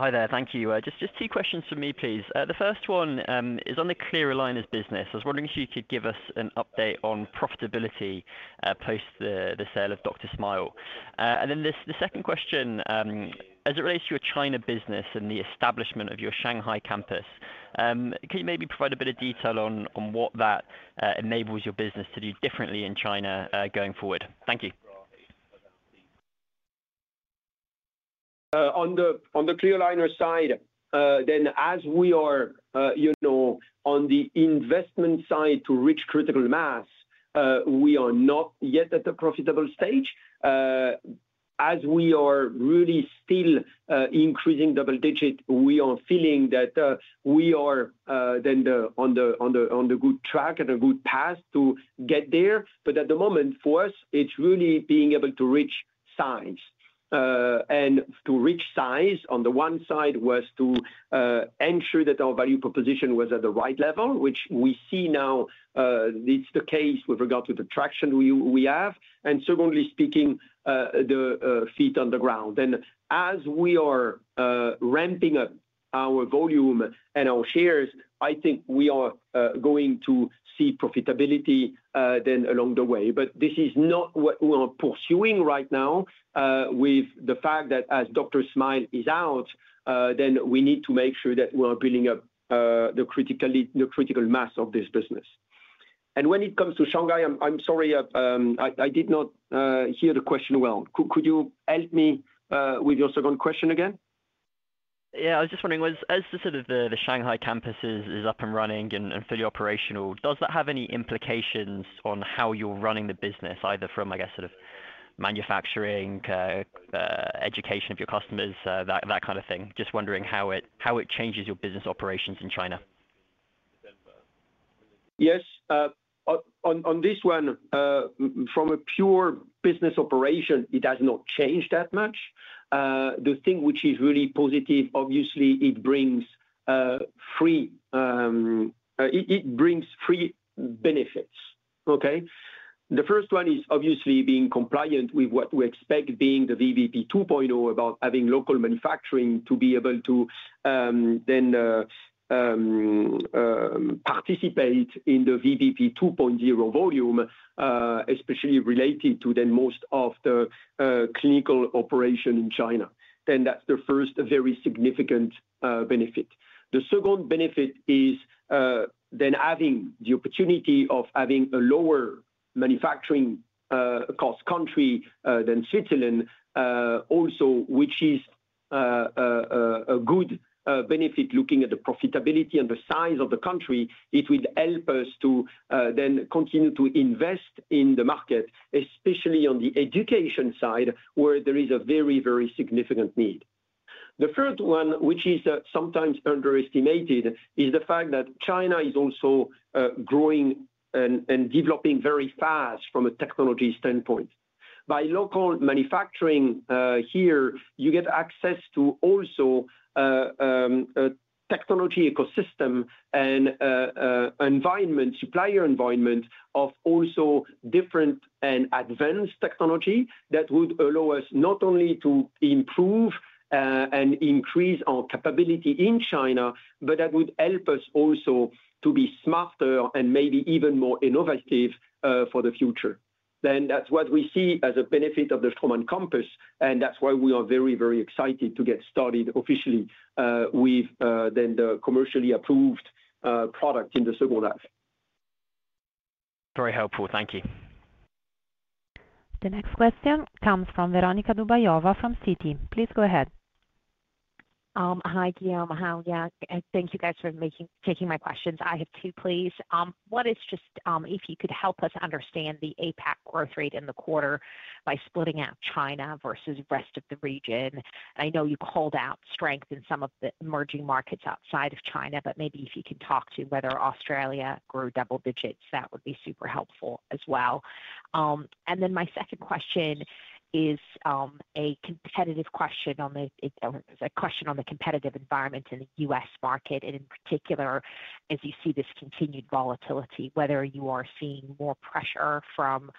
Hi there. Thank you. Just two questions for me, please. The first one is on the clear aligners business. I was wondering if you could give us an update on profitability post the sale of Doctor Smile. The second question, as it relates to your China business and the establishment of your Shanghai campus, can you maybe provide a bit of detail on what that enables your business to do differently in China going forward? Thank you. On the clear aligner side, as we are on the investment side to reach critical mass, we are not yet at the profitable stage. As we are really still increasing double digit, we are feeling that we are then on the good track and a good path to get there. At the moment, for us, it is really being able to reach size. To reach size on the one side was to ensure that our value proposition was at the right level, which we see now. is the case with regard to the traction we have. Secondly, speaking the feet on the ground. As we are ramping up our volume and our shares, I think we are going to see profitability along the way. This is not what we are pursuing right now with the fact that as Doctor Smile is out, we need to make sure that we are building up the critical mass of this business. When it comes to Shanghai, I am sorry, I did not hear the question well. Could you help me with your second question again? Yeah, I was just wondering, as sort of the Shanghai campus is up and running and fully operational, does that have any implications on how you are running the business, either from, I guess, sort of manufacturing, education of your customers, that kind of thing? Just wondering how it changes your business operations in China. Yes. On this one, from a pure business operation, it has not changed that much. The thing which is really positive, obviously, it brings three benefits. Okay? The first one is obviously being compliant with what we expect being the VBP 2.0 about having local manufacturing to be able to then participate in the VBP 2.0 volume, especially related to then most of the clinical operation in China. That is the first very significant benefit. The second benefit is then having the opportunity of having a lower manufacturing cost country than Switzerland also, which is a good benefit looking at the profitability and the size of the country. It will help us to then continue to invest in the market, especially on the education side where there is a very, very significant need. The third one, which is sometimes underestimated, is the fact that China is also growing and developing very fast from a technology standpoint. By local manufacturing here, you get access to also a technology ecosystem and environment, supplier environment of also different and advanced technology that would allow us not only to improve and increase our capability in China, but that would help us also to be smarter and maybe even more innovative for the future. That is what we see as a benefit of the Straumann campus. That is why we are very, very excited to get started officially with the commercially approved product in the second half. Very helpful. Thank you. The next question comes from Veronika Dubajova from Citi. Please go ahead. Hi, Guillaume. How are you? Thank you, guys, for taking my questions. I have two, please. One is just if you could help us understand the APAC growth rate in the quarter by splitting out China versus the rest of the region. I know you called out strength in some of the emerging markets outside of China, but maybe if you can talk to whether Australia grew double digits, that would be super helpful as well. My second question is a competitive question on the competitive environment in the US market and in particular, as you see this continued volatility, whether you are seeing more pressure from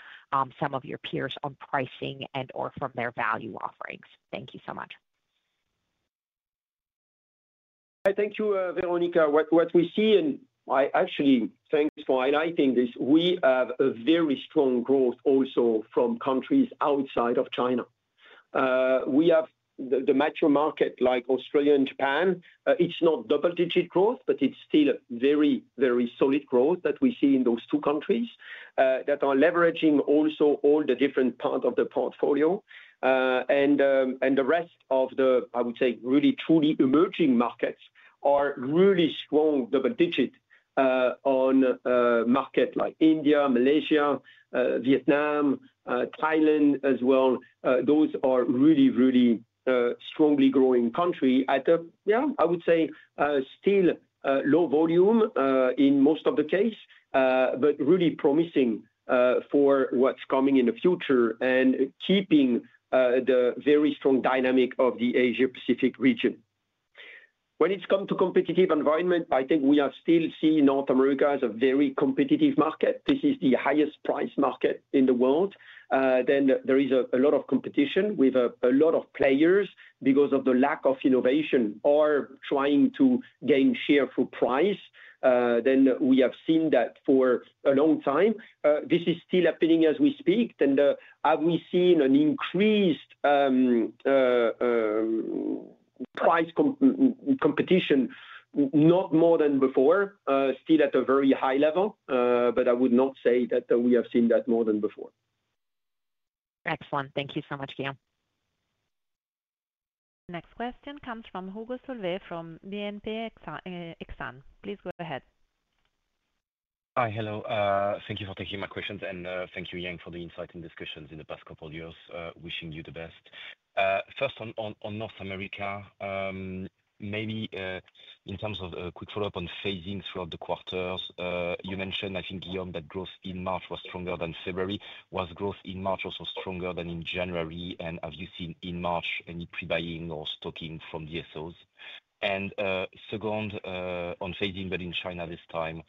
some of your peers on pricing and/or from their value offerings. Thank you so much. Thank you, Veronika. What we see, and I actually think for highlighting this, we have a very strong growth also from countries outside of China. We have the major market like Australia and Japan. It's not double-digit growth, but it's still a very, very solid growth that we see in those two countries that are leveraging also all the different parts of the portfolio. The rest of the, I would say, really truly emerging markets are really strong double-digit on markets like India, Malaysia, Vietnam, Thailand as well. Those are really, really strongly growing countries at a, yeah, I would say, still low volume in most of the case, but really promising for what's coming in the future and keeping the very strong dynamic of the Asia-Pacific region. When it comes to competitive environment, I think we are still seeing North America as a very competitive market. This is the highest price market in the world. There is a lot of competition with a lot of players because of the lack of innovation or trying to gain share for price. We have seen that for a long time. This is still happening as we speak. Have we seen increased price competition? Not more than before, still at a very high level, but I would not say that we have seen that more than before. Excellent. Thank you so much, Guillaume. The next question comes from Hugo Solvet from BNP Paribas Exane. Please go ahead. Hi, hello. Thank you for taking my questions, and thank you, Yang, for the insight and discussions in the past couple of years. Wishing you the best. First, on North America, maybe in terms of a quick follow-up on phasing throughout the quarters, you mentioned, I think, Guillaume, that growth in March was stronger than February. Was growth in March also stronger than in January? Have you seen in March any pre-buying or stocking from DSOs? Second, on phasing, but in China this time,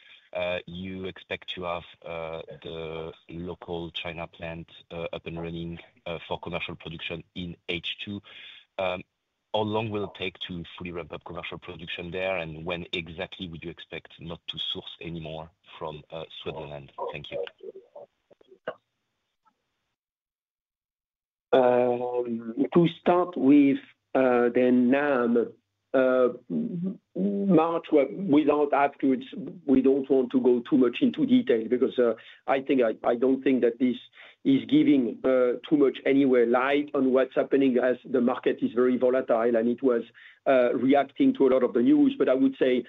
you expect to have the local China plant up and running for commercial production in H2. How long will it take to fully ramp up commercial production there, and when exactly would you expect not to source anymore from Switzerland? Thank you. To start with the NAM, March without afterwards, we do not want to go too much into detail because I think that this is not giving too much anyway light on what is happening as the market is very volatile and it was reacting to a lot of the news. I would say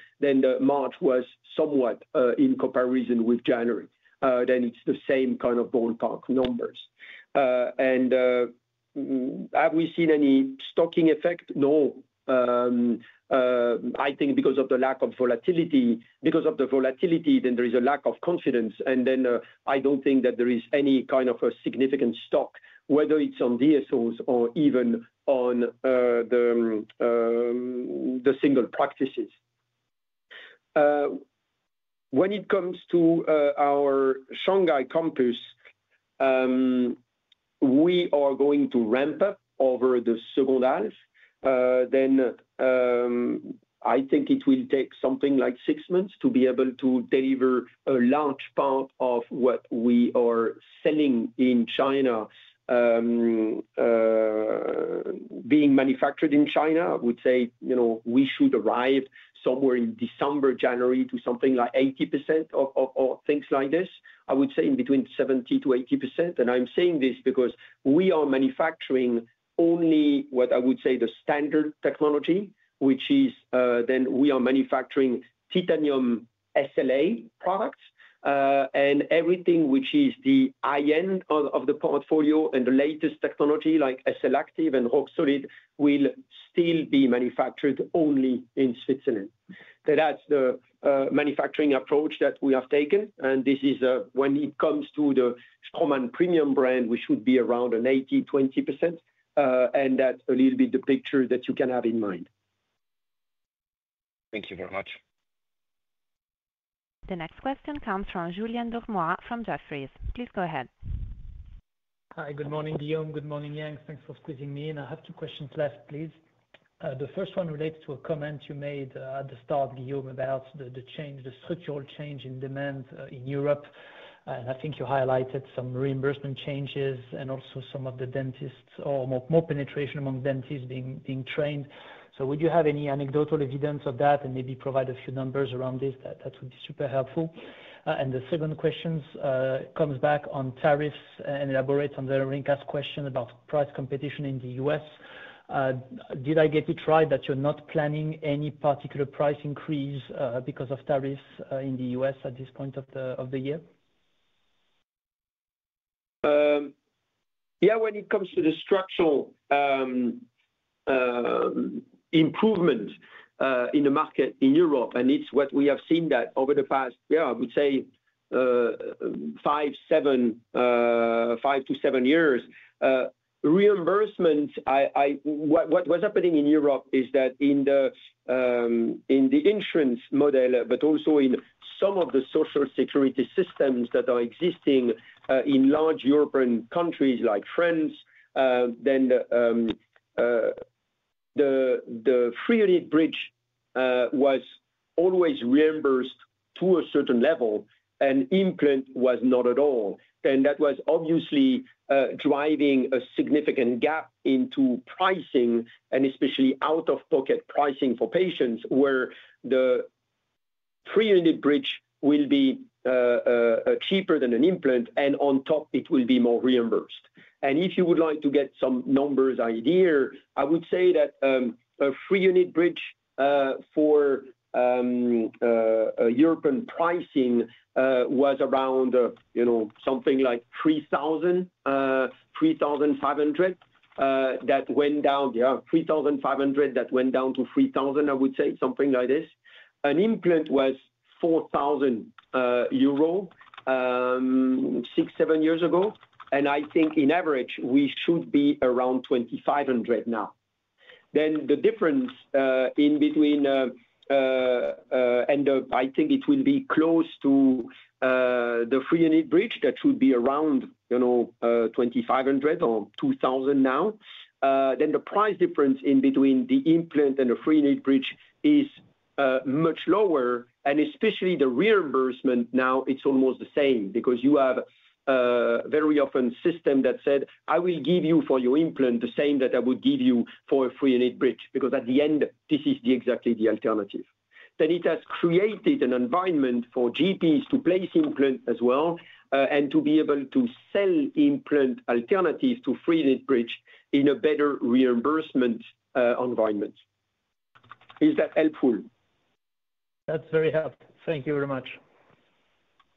March was somewhat in comparison with January. It is the same kind of ballpark numbers. Have we seen any stocking effect? No. I think because of the volatility, there is a lack of confidence. I do not think that there is any kind of a significant stock, whether it is on DSOs or even on the single practices. When it comes to our Shanghai campus, we are going to ramp up over the second half. I think it will take something like six months to be able to deliver a large part of what we are selling in China, being manufactured in China. I would say we should arrive somewhere in December, January to something like 80% of things like this. I would say in between 70-80%. I am saying this because we are manufacturing only what I would say is the standard technology, which is we are manufacturing titanium SLA products, and everything which is the high-end of the portfolio and the latest technology like SLActive and Rock Solid will still be manufactured only in Switzerland. That's the manufacturing approach that we have taken. When it comes to the Straumann premium brand, we should be around an 80, 20%. That's a little bit the picture that you can have in mind. Thank you very much. The next question comes from Julien Dormois from Jefferies. Please go ahead. Hi, good morning, Guillaume. Good morning, Yang. Thanks for squeezing me in. I have two questions left, please. The first one relates to a comment you made at the start, Guillaume, about the change, the structural change in demand in Europe. I think you highlighted some reimbursement changes and also some of the dentists or more penetration among dentists being trained. Would you have any anecdotal evidence of that and maybe provide a few numbers around this? That would be super helpful. The second question comes back on tariffs and elaborate on the Ringcast question about price competition in the US. Did I get it right that you're not planning any particular price increase because of tariffs in the US at this point of the year? Yeah, when it comes to the structural improvement in the market in Europe, and it's what we have seen that over the past, yeah, I would say five to seven years, reimbursement, what was happening in Europe is that in the insurance model, but also in some of the social security systems that are existing in large European countries like France, then the free unit bridge was always reimbursed to a certain level and implant was not at all. That was obviously driving a significant gap into pricing and especially out-of-pocket pricing for patients where the three-unit bridge will be cheaper than an implant and on top, it will be more reimbursed. If you would like to get some numbers idea, I would say that a three-unit bridge for European pricing was around something like 3,000-3,500 that went down, yeah, 3,500 that went down to 3,000, I would say, something like this. An implant was 4,000 euro six, seven years ago. I think on average, we should be around 2,500 now. The difference in between, and I think it will be close to the three-unit bridge that should be around 2,500 or 2,000 now. The price difference in between the implant and the three-unit bridge is much lower. Especially the reimbursement now, it's almost the same because you have very often systems that say, "I will give you for your implant the same that I would give you for a three unit bridge," because at the end, this is exactly the alternative. It has created an environment for GPs to place implants as well and to be able to sell implant alternatives to three unit bridge in a better reimbursement environment. Is that helpful? That's very helpful. Thank you very much.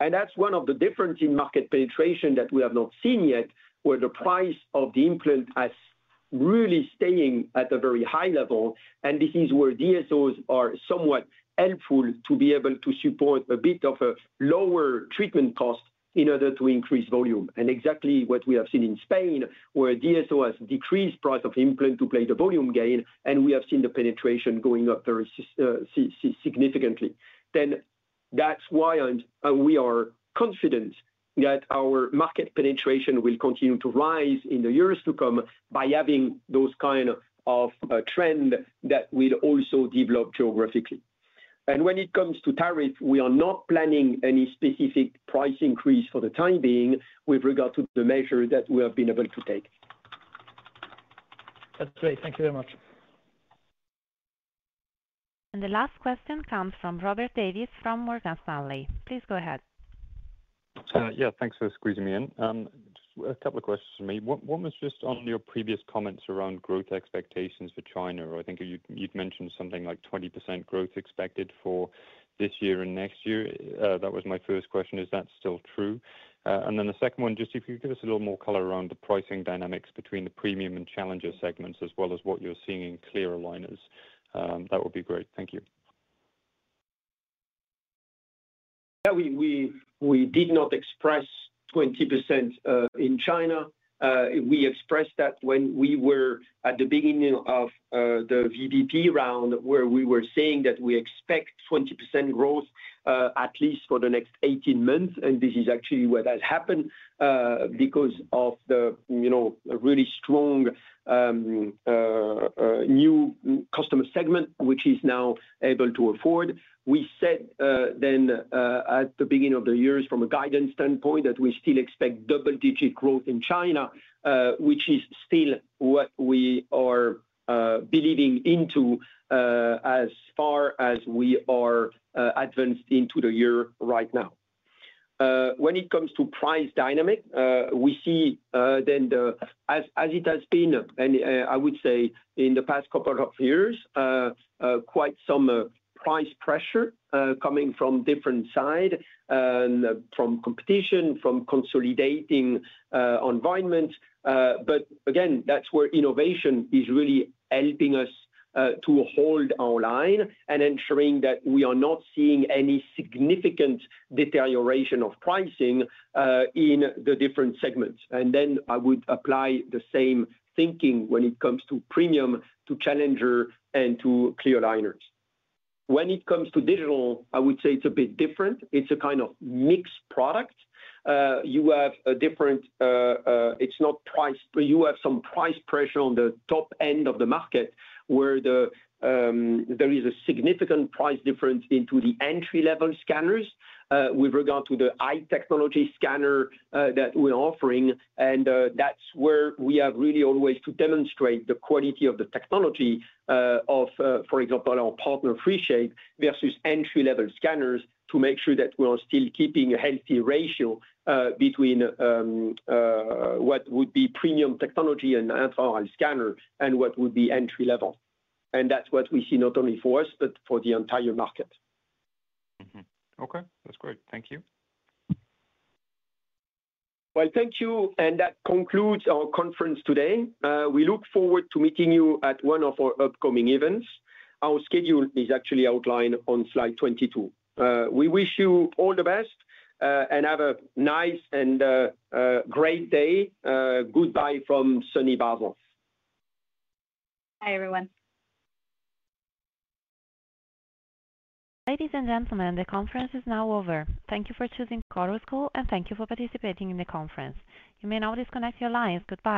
That's one of the differences in market penetration that we have not seen yet where the price of the implant has really stayed at a very high level. This is where DSOs are somewhat helpful to be able to support a bit of a lower treatment cost in order to increase volume. Exactly what we have seen in Spain where DSO has decreased the price of implant to play the volume gain, and we have seen the penetration going up very significantly. That is why we are confident that our market penetration will continue to rise in the years to come by having those kinds of trends that will also develop geographically. When it comes to tariffs, we are not planning any specific price increase for the time being with regard to the measures that we have been able to take. That is great. Thank you very much. The last question comes from Robert Davies from Morgan Stanley. Please go ahead. Yeah, thanks for squeezing me in. Just a couple of questions for me. One was just on your previous comments around growth expectations for China. I think you'd mentioned something like 20% growth expected for this year and next year. That was my first question. Is that still true? The second one, just if you could give us a little more color around the pricing dynamics between the premium and challenger segments as well as what you're seeing in clear aligners. That would be great. Thank you. Yeah, we did not express 20% in China. We expressed that when we were at the beginning of the VBP round where we were saying that we expect 20% growth at least for the next 18 months. This is actually what has happened because of the really strong new customer segment, which is now able to afford. We said then at the beginning of the year from a guidance standpoint that we still expect double-digit growth in China, which is still what we are believing into as far as we are advanced into the year right now. When it comes to price dynamic, we see then as it has been, and I would say in the past couple of years, quite some price pressure coming from different sides and from competition, from consolidating environments. Again, that's where innovation is really helping us to hold our line and ensuring that we are not seeing any significant deterioration of pricing in the different segments. I would apply the same thinking when it comes to premium, to challenger, and to clear aligners. When it comes to digital, I would say it's a bit different. It's a kind of mixed product. You have a different, it's not price, but you have some price pressure on the top end of the market where there is a significant price difference into the entry-level scanners with regard to the high-technology scanner that we're offering. That is where we have really always to demonstrate the quality of the technology of, for example, our partner 3Shape versus entry-level scanners to make sure that we are still keeping a healthy ratio between what would be premium technology and intraoral scanner and what would be entry-level. That is what we see not only for us, but for the entire market. Okay, that's great. Thank you. Thank you. That concludes our conference today. We look forward to meeting you at one of our upcoming events. Our schedule is actually outlined on slide 22. We wish you all the best and have a nice and great day. Goodbye from sunny Basel. Bye everyone. Ladies and gentlemen, the conference is now over. Thank you for choosing Chorus Call and thank you for participating in the conference. You may now disconnect your lines. Goodbye.